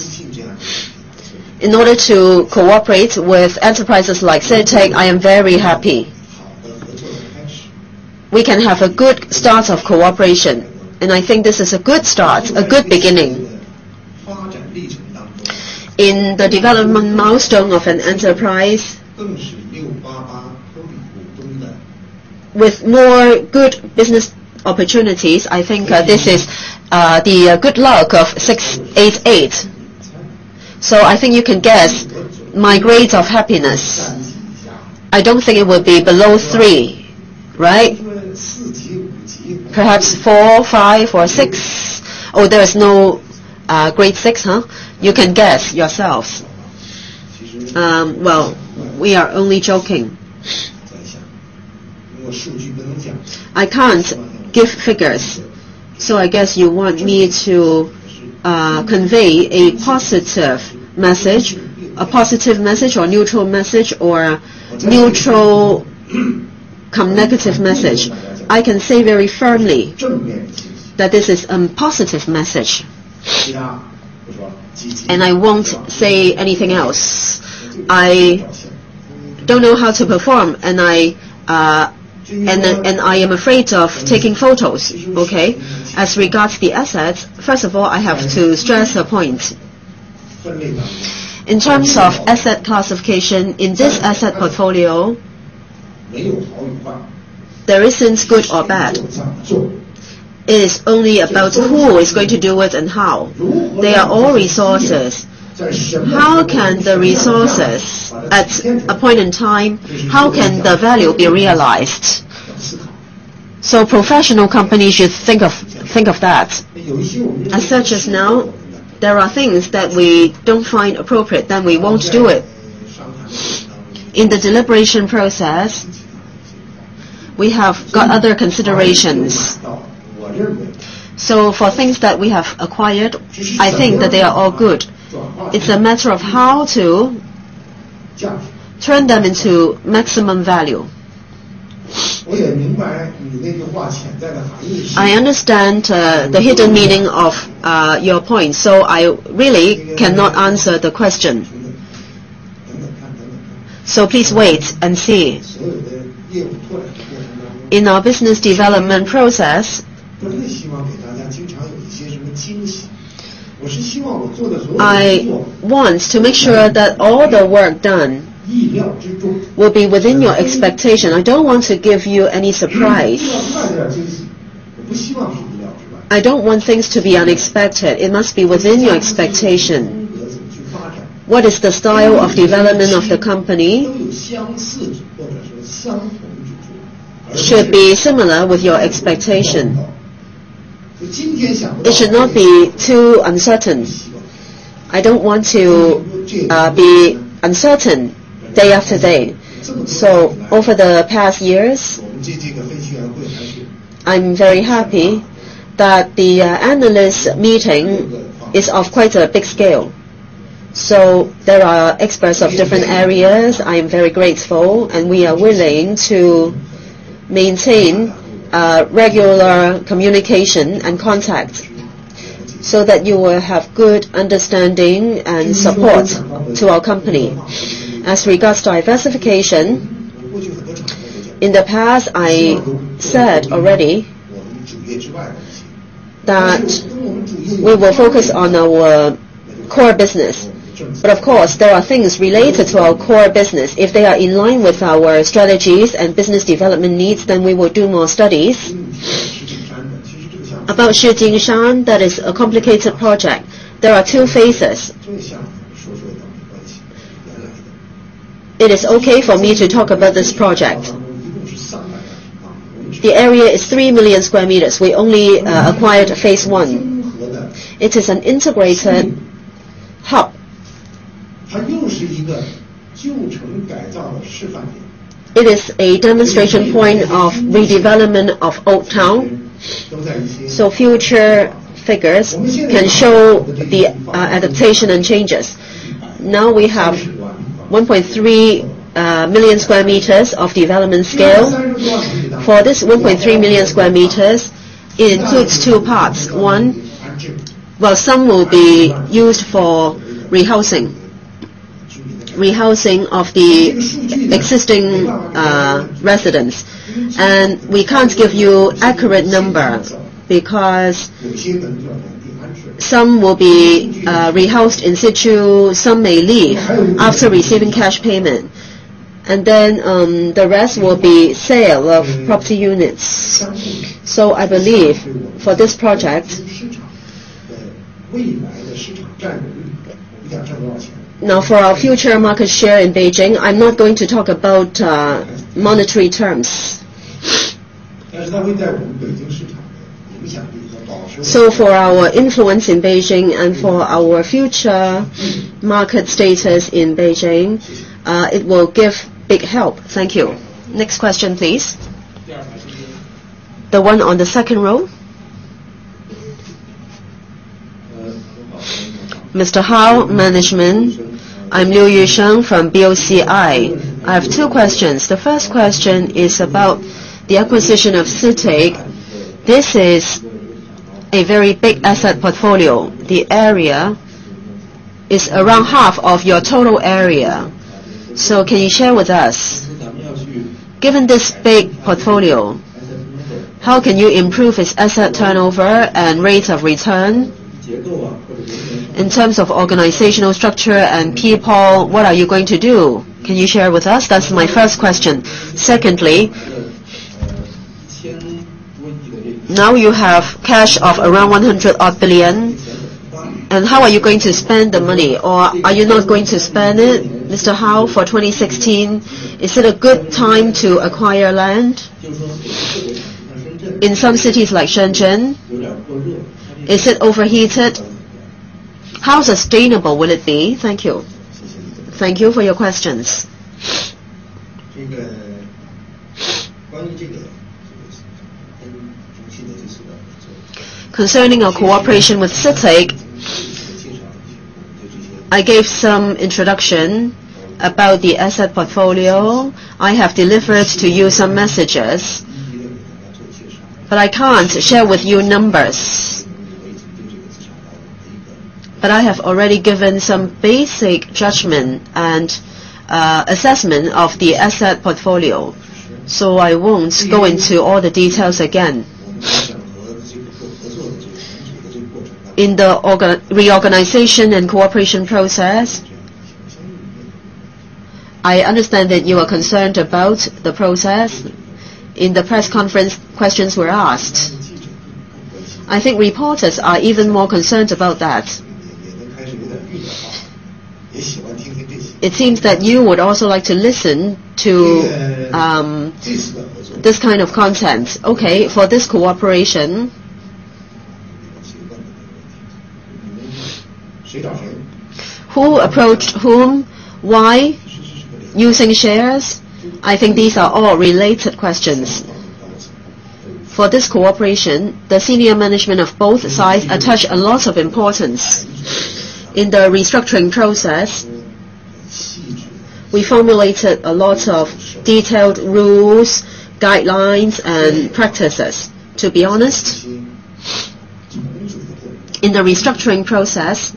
In order to cooperate with enterprises like CITIC, I am very happy. We can have a good start of cooperation, and I think this is a good start, a good beginning. In the development milestone of an enterprise, with more good business opportunities, I think this is the good luck of 688. I think you can guess my grades of happiness. I do not think it would be below three, right? Perhaps four, five, or grade 6, or there is no grade 6, huh? You can guess yourselves. Well, we are only joking. I cannot give figures. I guess you want me to convey a positive message, a positive message or neutral message, or neutral negative message. I can say very firmly that this is a positive message. I will not say anything else. I do not know how to perform, and I am afraid of taking photos, okay? As regards the assets, first of all, I have to stress a point. In terms of asset classification, in this asset portfolio, there is not good or bad. It is only about who is going to do it and how. They are all resources. How can the resources, at a point in time, how can the value be realized? Professional companies should think of that. Such as now, there are things that we do not find appropriate, then we will not do it. In the deliberation process, we have got other considerations. For things that we have acquired, I think that they are all good. It is a matter of how to turn them into maximum value. I understand the hidden meaning of your point. I really cannot answer the question. Please wait and see. In our business development process, I want to make sure that all the work done will be within your expectation. I do not want to give you any surprise. I do not want things to be unexpected. It must be within your expectation. What is the style of development of the company? Should be similar with your expectation. It should not be too uncertain. I do not want to be uncertain day after day. Over the past years, I am very happy that the analyst meeting is of quite a big scale. There are experts of different areas. I am very grateful. We are willing to maintain regular communication and contact so that you will have good understanding and support to our company. As regards diversification, in the past, I said already that we will focus on our core business. Of course, there are things related to our core business. If they are in line with our strategies and business development needs, then we will do more studies. About Shijingshan, that is a complicated project. There are two phases. It is okay for me to talk about this project. The area is 3 million square meters. We only acquired phase 1. It is an integrated hub. It is a demonstration point of the development of old town, so future figures can show the adaptation and changes. Now we have 1.3 million square meters of development scale. For this 1.3 million square meters, it includes two parts. Well, some will be used for rehousing of the existing residents. We can't give you accurate number because some will be rehoused in-situ, some may leave after receiving cash payment. The rest will be sale of property units. I believe for this project, now for our future market share in Beijing, I'm not going to talk about monetary terms. For our influence in Beijing and for our future market status in Beijing, it will give big help. Thank you. Next question, please. Yeah. The one on the second row Mr. Hao, management, I'm Liu Yesheng from BOCI. I have 2 questions. The first question is about the acquisition of CITIC. This is a very big asset portfolio. The area is around half of your total area. Can you share with us, given this big portfolio, how can you improve its asset turnover and rates of return? In terms of organizational structure and people, what are you going to do? Can you share with us? That's my first question. Secondly, you have cash of around 100 odd billion, how are you going to spend the money? Are you not going to spend it? Mr. Hao, for 2016, is it a good time to acquire land? In some cities like Shenzhen, is it overheated? How sustainable will it be? Thank you. Thank you for your questions. Concerning our cooperation with CITIC, I gave some introduction about the asset portfolio. I have delivered to you some messages, I can't share with you numbers. I have already given some basic judgment and assessment of the asset portfolio, so I won't go into all the details again. In the reorganization and cooperation process, I understand that you are concerned about the process. In the press conference, questions were asked. I think reporters are even more concerned about that. It seems that you would also like to listen to this kind of content. For this cooperation, who approached whom? Why using shares? I think these are all related questions. For this cooperation, the senior management of both sides attach a lot of importance. In the restructuring process, we formulated a lot of detailed rules, guidelines, and practices. To be honest, in the restructuring process,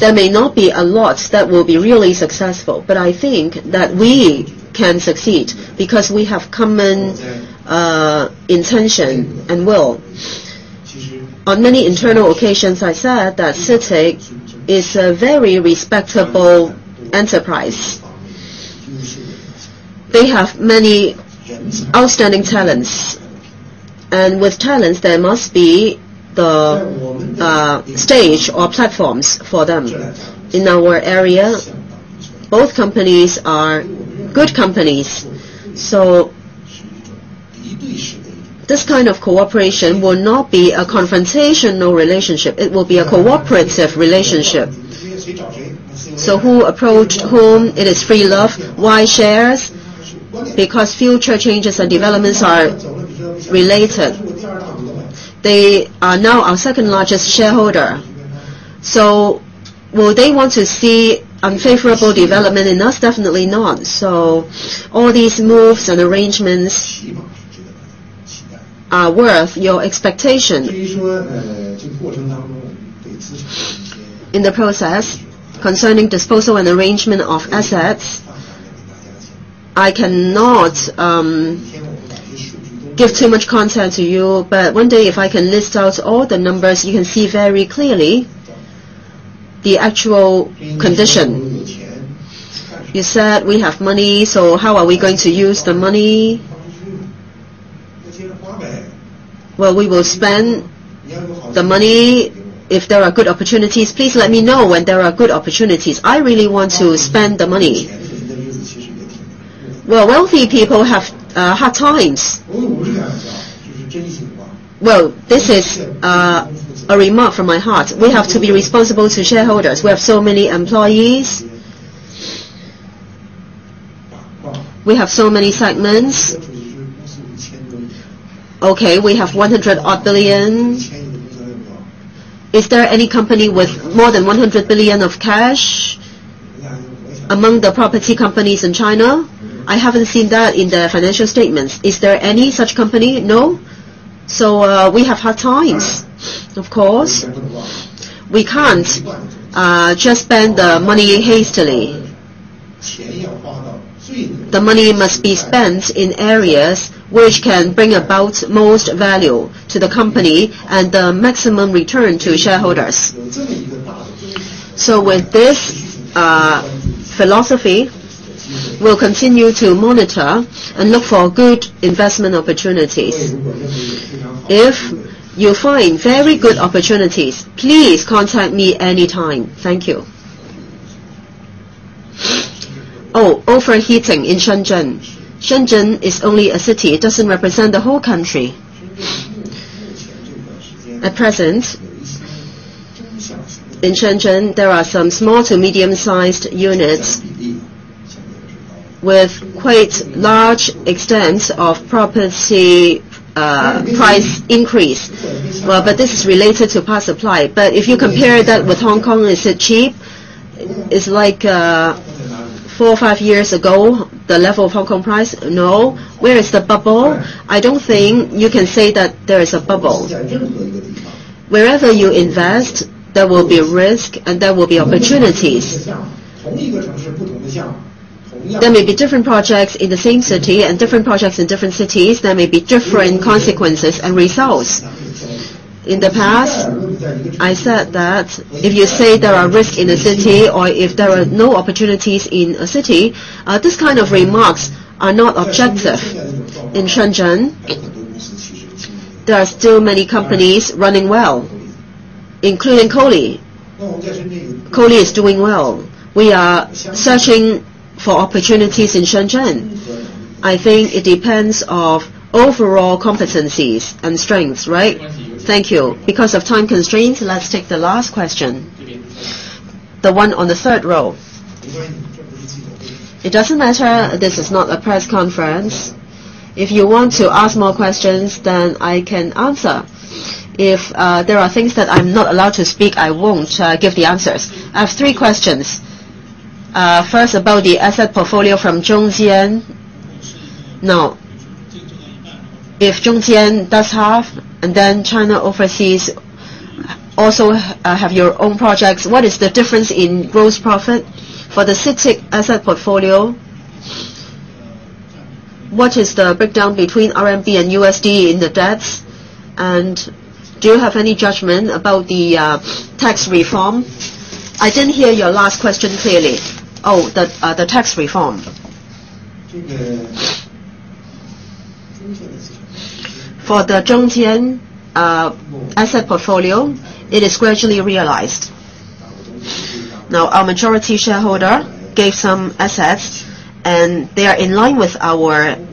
there may not be a lot that will be really successful, I think that we can succeed because we have common intention and will. On many internal occasions, I said that CITIC is a very respectable enterprise. They have many outstanding talents, and with talents, there must be the stage or platforms for them. In our area, both companies are good companies, this kind of cooperation will not be a confrontational relationship. It will be a cooperative relationship. Who approached whom? It is free love. Why shares? Because future changes and developments are related. They are now our second-largest shareholder. Would they want to see unfavorable development in us? Definitely not. All these moves and arrangements are worth your expectation. In the process, concerning disposal and arrangement of assets, I cannot give too much content to you. One day, if I can list out all the numbers, you can see very clearly the actual condition. You said we have money, so how are we going to use the money? Well, we will spend the money. If there are good opportunities, please let me know when there are good opportunities. I really want to spend the money. Well, wealthy people have hard times. Well, this is a remark from my heart. We have to be responsible to shareholders. We have so many employees. We have so many segments. Okay. We have 100 odd billion. Is there any company with more than 100 billion of cash among the property companies in China? I haven't seen that in their financial statements. Is there any such company? No. We have hard times, of course. We can't just spend the money hastily. The money must be spent in areas which can bring about most value to the company and the maximum return to shareholders. With this philosophy, we'll continue to monitor and look for good investment opportunities. If you find very good opportunities, please contact me any time. Thank you. Oh, overheating in Shenzhen. Shenzhen is only a city. It doesn't represent the whole country. At present, in Shenzhen, there are some small to medium-sized units with quite large extents of property price increase. This is related to power supply. If you compare that with Hong Kong, is it cheap? It's like four or five years ago, the level of Hong Kong price, no. Where is the bubble? I don't think you can say that there is a bubble. Wherever you invest, there will be risk and there will be opportunities. There may be different projects in the same city and different projects in different cities. There may be different consequences and results. In the past, I said that if you say there are risks in a city or if there are no opportunities in a city, these kind of remarks are not objective. In Shenzhen, there are still many companies running well, including COLI. COLI is doing well. We are searching for opportunities in Shenzhen. I think it depends on overall competencies and strengths, right? Thank you. Because of time constraints, let's take the last question. The one on the third row. It doesn't matter. This is not a press conference. If you want to ask more questions, I can answer. If there are things that I'm not allowed to speak, I won't give the answers. I have three questions. First, about the asset portfolio from Zhongjian. If Zhongjian does half, and China Overseas also have your own projects, what is the difference in gross profit? For the CITIC asset portfolio, what is the breakdown between RMB and USD in the debts? Do you have any judgment about the tax reform? I didn't hear your last question clearly. Oh, the tax reform. For the Zhongjian asset portfolio, it is gradually realized. Our majority shareholder gave some assets, and they are in line with our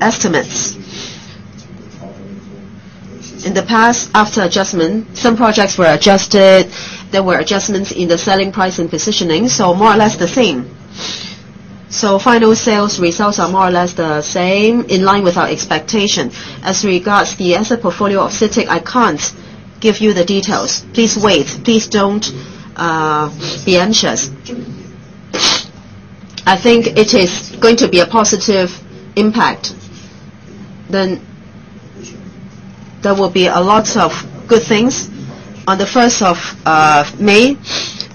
estimates. In the past, after adjustment, some projects were adjusted, there were adjustments in the selling price and positioning, more or less the same. Final sales results are more or less the same, in line with our expectation. As regards the asset portfolio of CITIC, I can't give you the details. Please wait. Please don't be anxious. I think it is going to be a positive impact. There will be a lot of good things. On the 1st of May,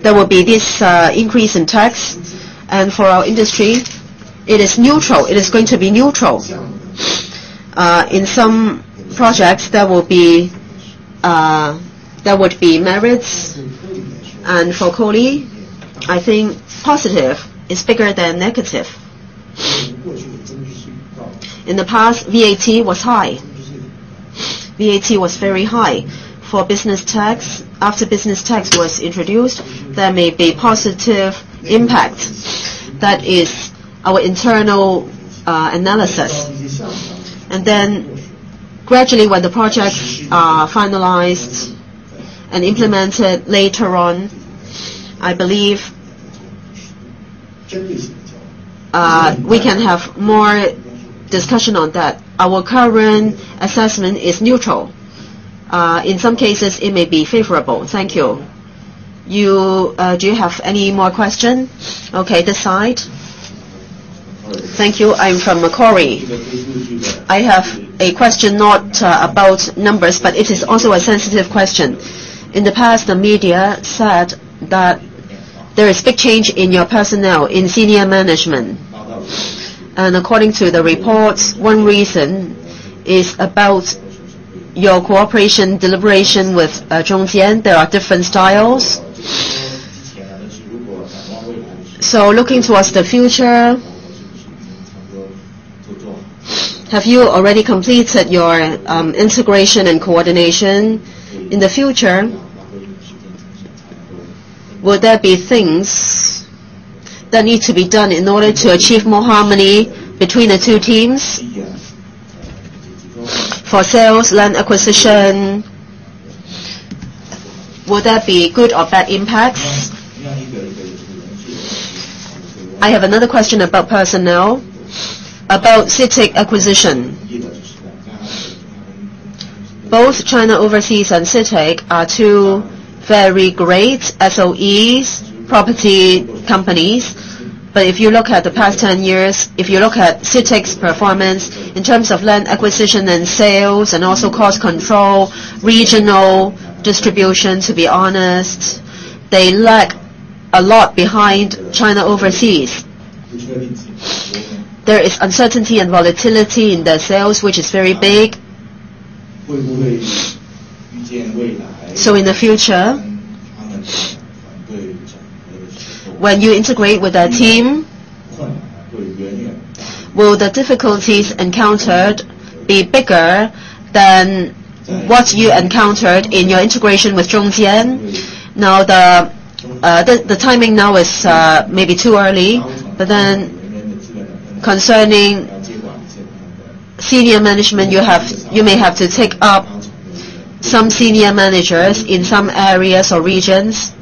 there will be this increase in tax. For our industry, it is neutral. It is going to be neutral. In some projects, there would be merits. For COLI, I think positive is bigger than negative. In the past, VAT was high. VAT was very high. For business tax, after business tax was introduced, there may be positive impact. That is our internal analysis. Gradually when the projects are finalized and implemented later on, I believe we can have more discussion on that. Our current assessment is neutral. In some cases, it may be favorable. Thank you. Do you have any more question? Okay, this side. Thank you. I'm from Macquarie. I have a question, not about numbers, but it is also a sensitive question. In the past, the media said that there is big change in your personnel in senior management. According to the reports, one reason is about your cooperation, deliberation with Zhongjian. There are different styles. Looking towards the future, have you already completed your integration and coordination? In the future, will there be things that need to be done in order to achieve more harmony between the two teams? For sales, land acquisition, will there be good or bad impact? I have another question about personnel, about CITIC acquisition. Both China Overseas and CITIC are two very great SOEs property companies. If you look at the past 10 years, if you look at CITIC's performance in terms of land acquisition and sales and also cost control, regional distribution, to be honest, they lack a lot behind China Overseas. There is uncertainty and volatility in their sales, which is very big. In the future, when you integrate with their team, will the difficulties encountered be bigger than what you encountered in your integration with Zhongjian? The timing now is maybe too early, concerning senior management, you may have to take up some senior managers in some areas or regions,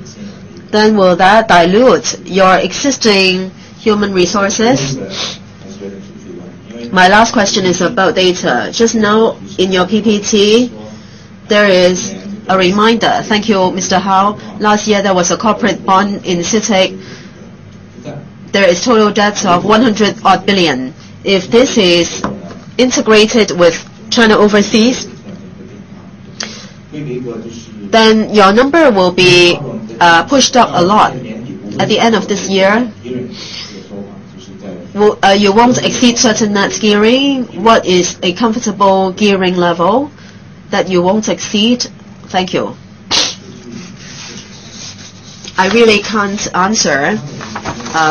will that dilute your existing human resources? My last question is about data. Just now in your PPT, there is a reminder. Thank you, Mr. Hao. Last year there was a corporate bond in CITIC. There is total debts of 100 odd billion. If this is integrated with China Overseas, your number will be pushed up a lot. At the end of this year, you won't exceed certain net gearing. What is a comfortable gearing level that you won't exceed? Thank you. I really can't answer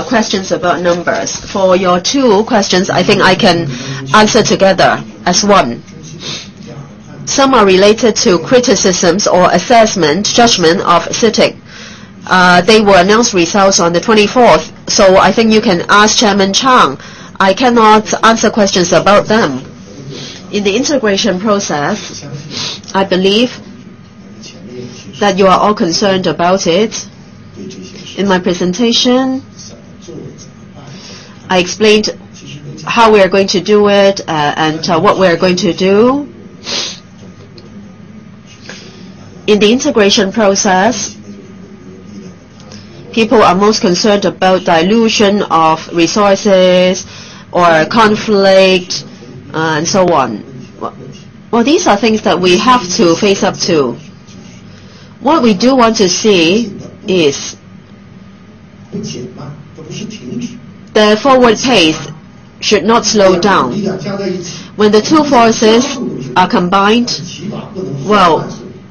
questions about numbers. For your two questions, I think I can answer together as one. Some are related to criticisms or assessment, judgment of CITIC. They will announce results on the 24th, I think you can ask Chairman Chang. I cannot answer questions about them. In the integration process, I believe that you are all concerned about it. In my presentation, I explained how we are going to do it and what we are going to do. In the integration process, people are most concerned about dilution of resources or conflict and so on. These are things that we have to face up to. What we do want to see is the forward pace should not slow down. When the two forces are combined,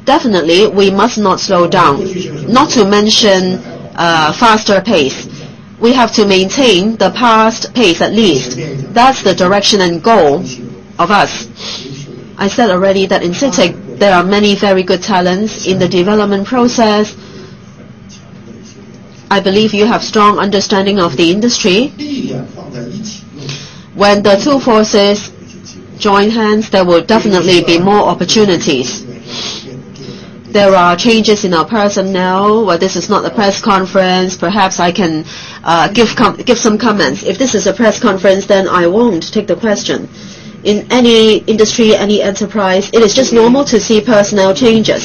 definitely we must not slow down. Not to mention a faster pace. We have to maintain the past pace at least. That's the direction and goal of us. I said already that in CITIC, there are many very good talents in the development process. I believe you have strong understanding of the industry. When the two forces join hands, there will definitely be more opportunities. There are changes in our personnel. Well, this is not a press conference. Perhaps I can give some comments. If this is a press conference, I won't take the question. In any industry, any enterprise, it is just normal to see personnel changes.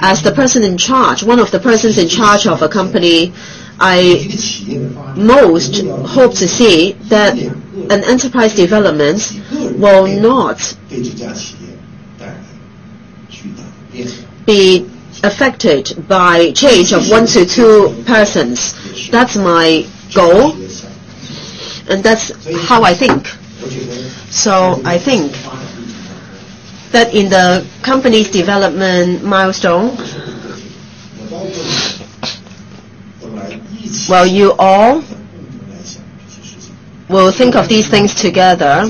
As the person in charge, one of the persons in charge of a company, I most hope to see that an enterprise development will not be affected by change of one to two persons. That's my goal, and that's how I think. I think that in the company's development milestone, well, you all will think of these things together.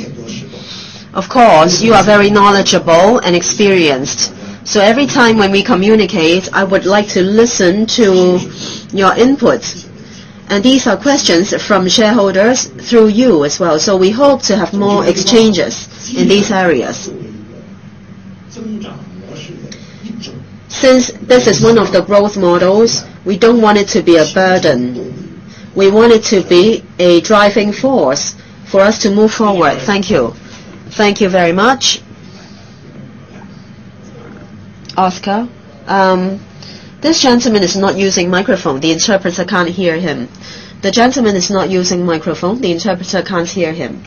Of course, you are very knowledgeable and experienced, every time when we communicate, I would like to listen to your input, and these are questions from shareholders through you as well. We hope to have more exchanges in these areas. Since this is one of the growth models, we don't want it to be a burden. We want it to be a driving force for us to move forward. Thank you. Thank you very much. Oscar. This gentleman is not using microphone. The interpreter can't hear him. The gentleman is not using microphone. The interpreter can't hear him.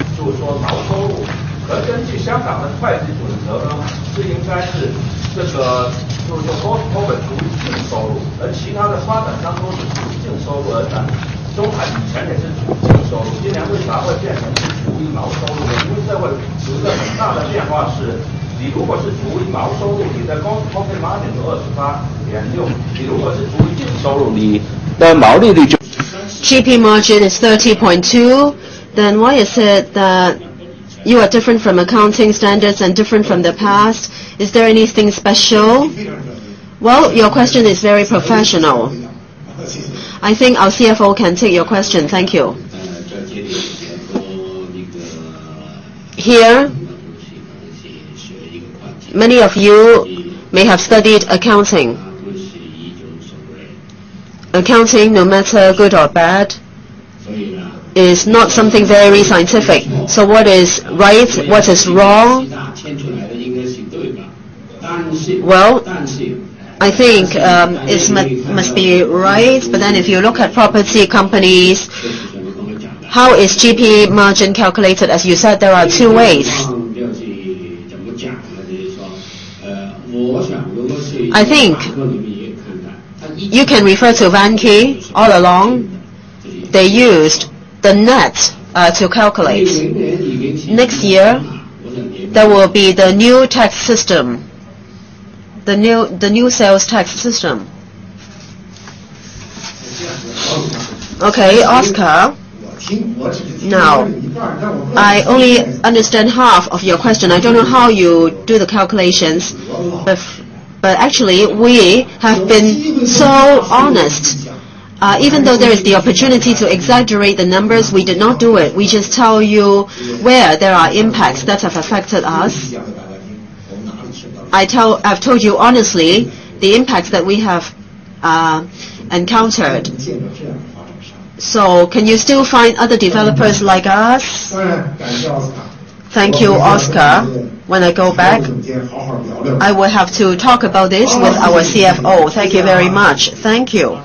GP margin is 30.2%. Why is it that you are different from accounting standards and different from the past? Is there anything special? Well, your question is very professional. I think our CFO can take your question. Thank you. Here, many of you may have studied accounting. Accounting, no matter good or bad, is not something very scientific. What is right, what is wrong? Well, I think, it must be right. If you look at property companies, how is GP margin calculated? As you said, there are two ways. I think you can refer to Vanke. All along, they used the net to calculate. Next year, there will be the new tax system, the new sales tax system. Okay, Oscar. Now, I only understand half of your question. I don't know how you do the calculations, actually, we have been so honest. Even though there is the opportunity to exaggerate the numbers, we did not do it. We just tell you where there are impacts that have affected us. I've told you honestly the impacts that we have encountered. Can you still find other developers like us? Thank you, Oscar. When I go back, I will have to talk about this with our CFO. Thank you very much. Thank you.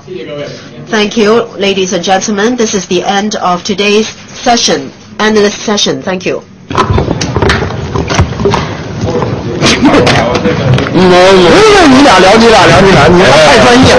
Thank you, ladies and gentlemen. This is the end of today's session. End of the session. Thank you.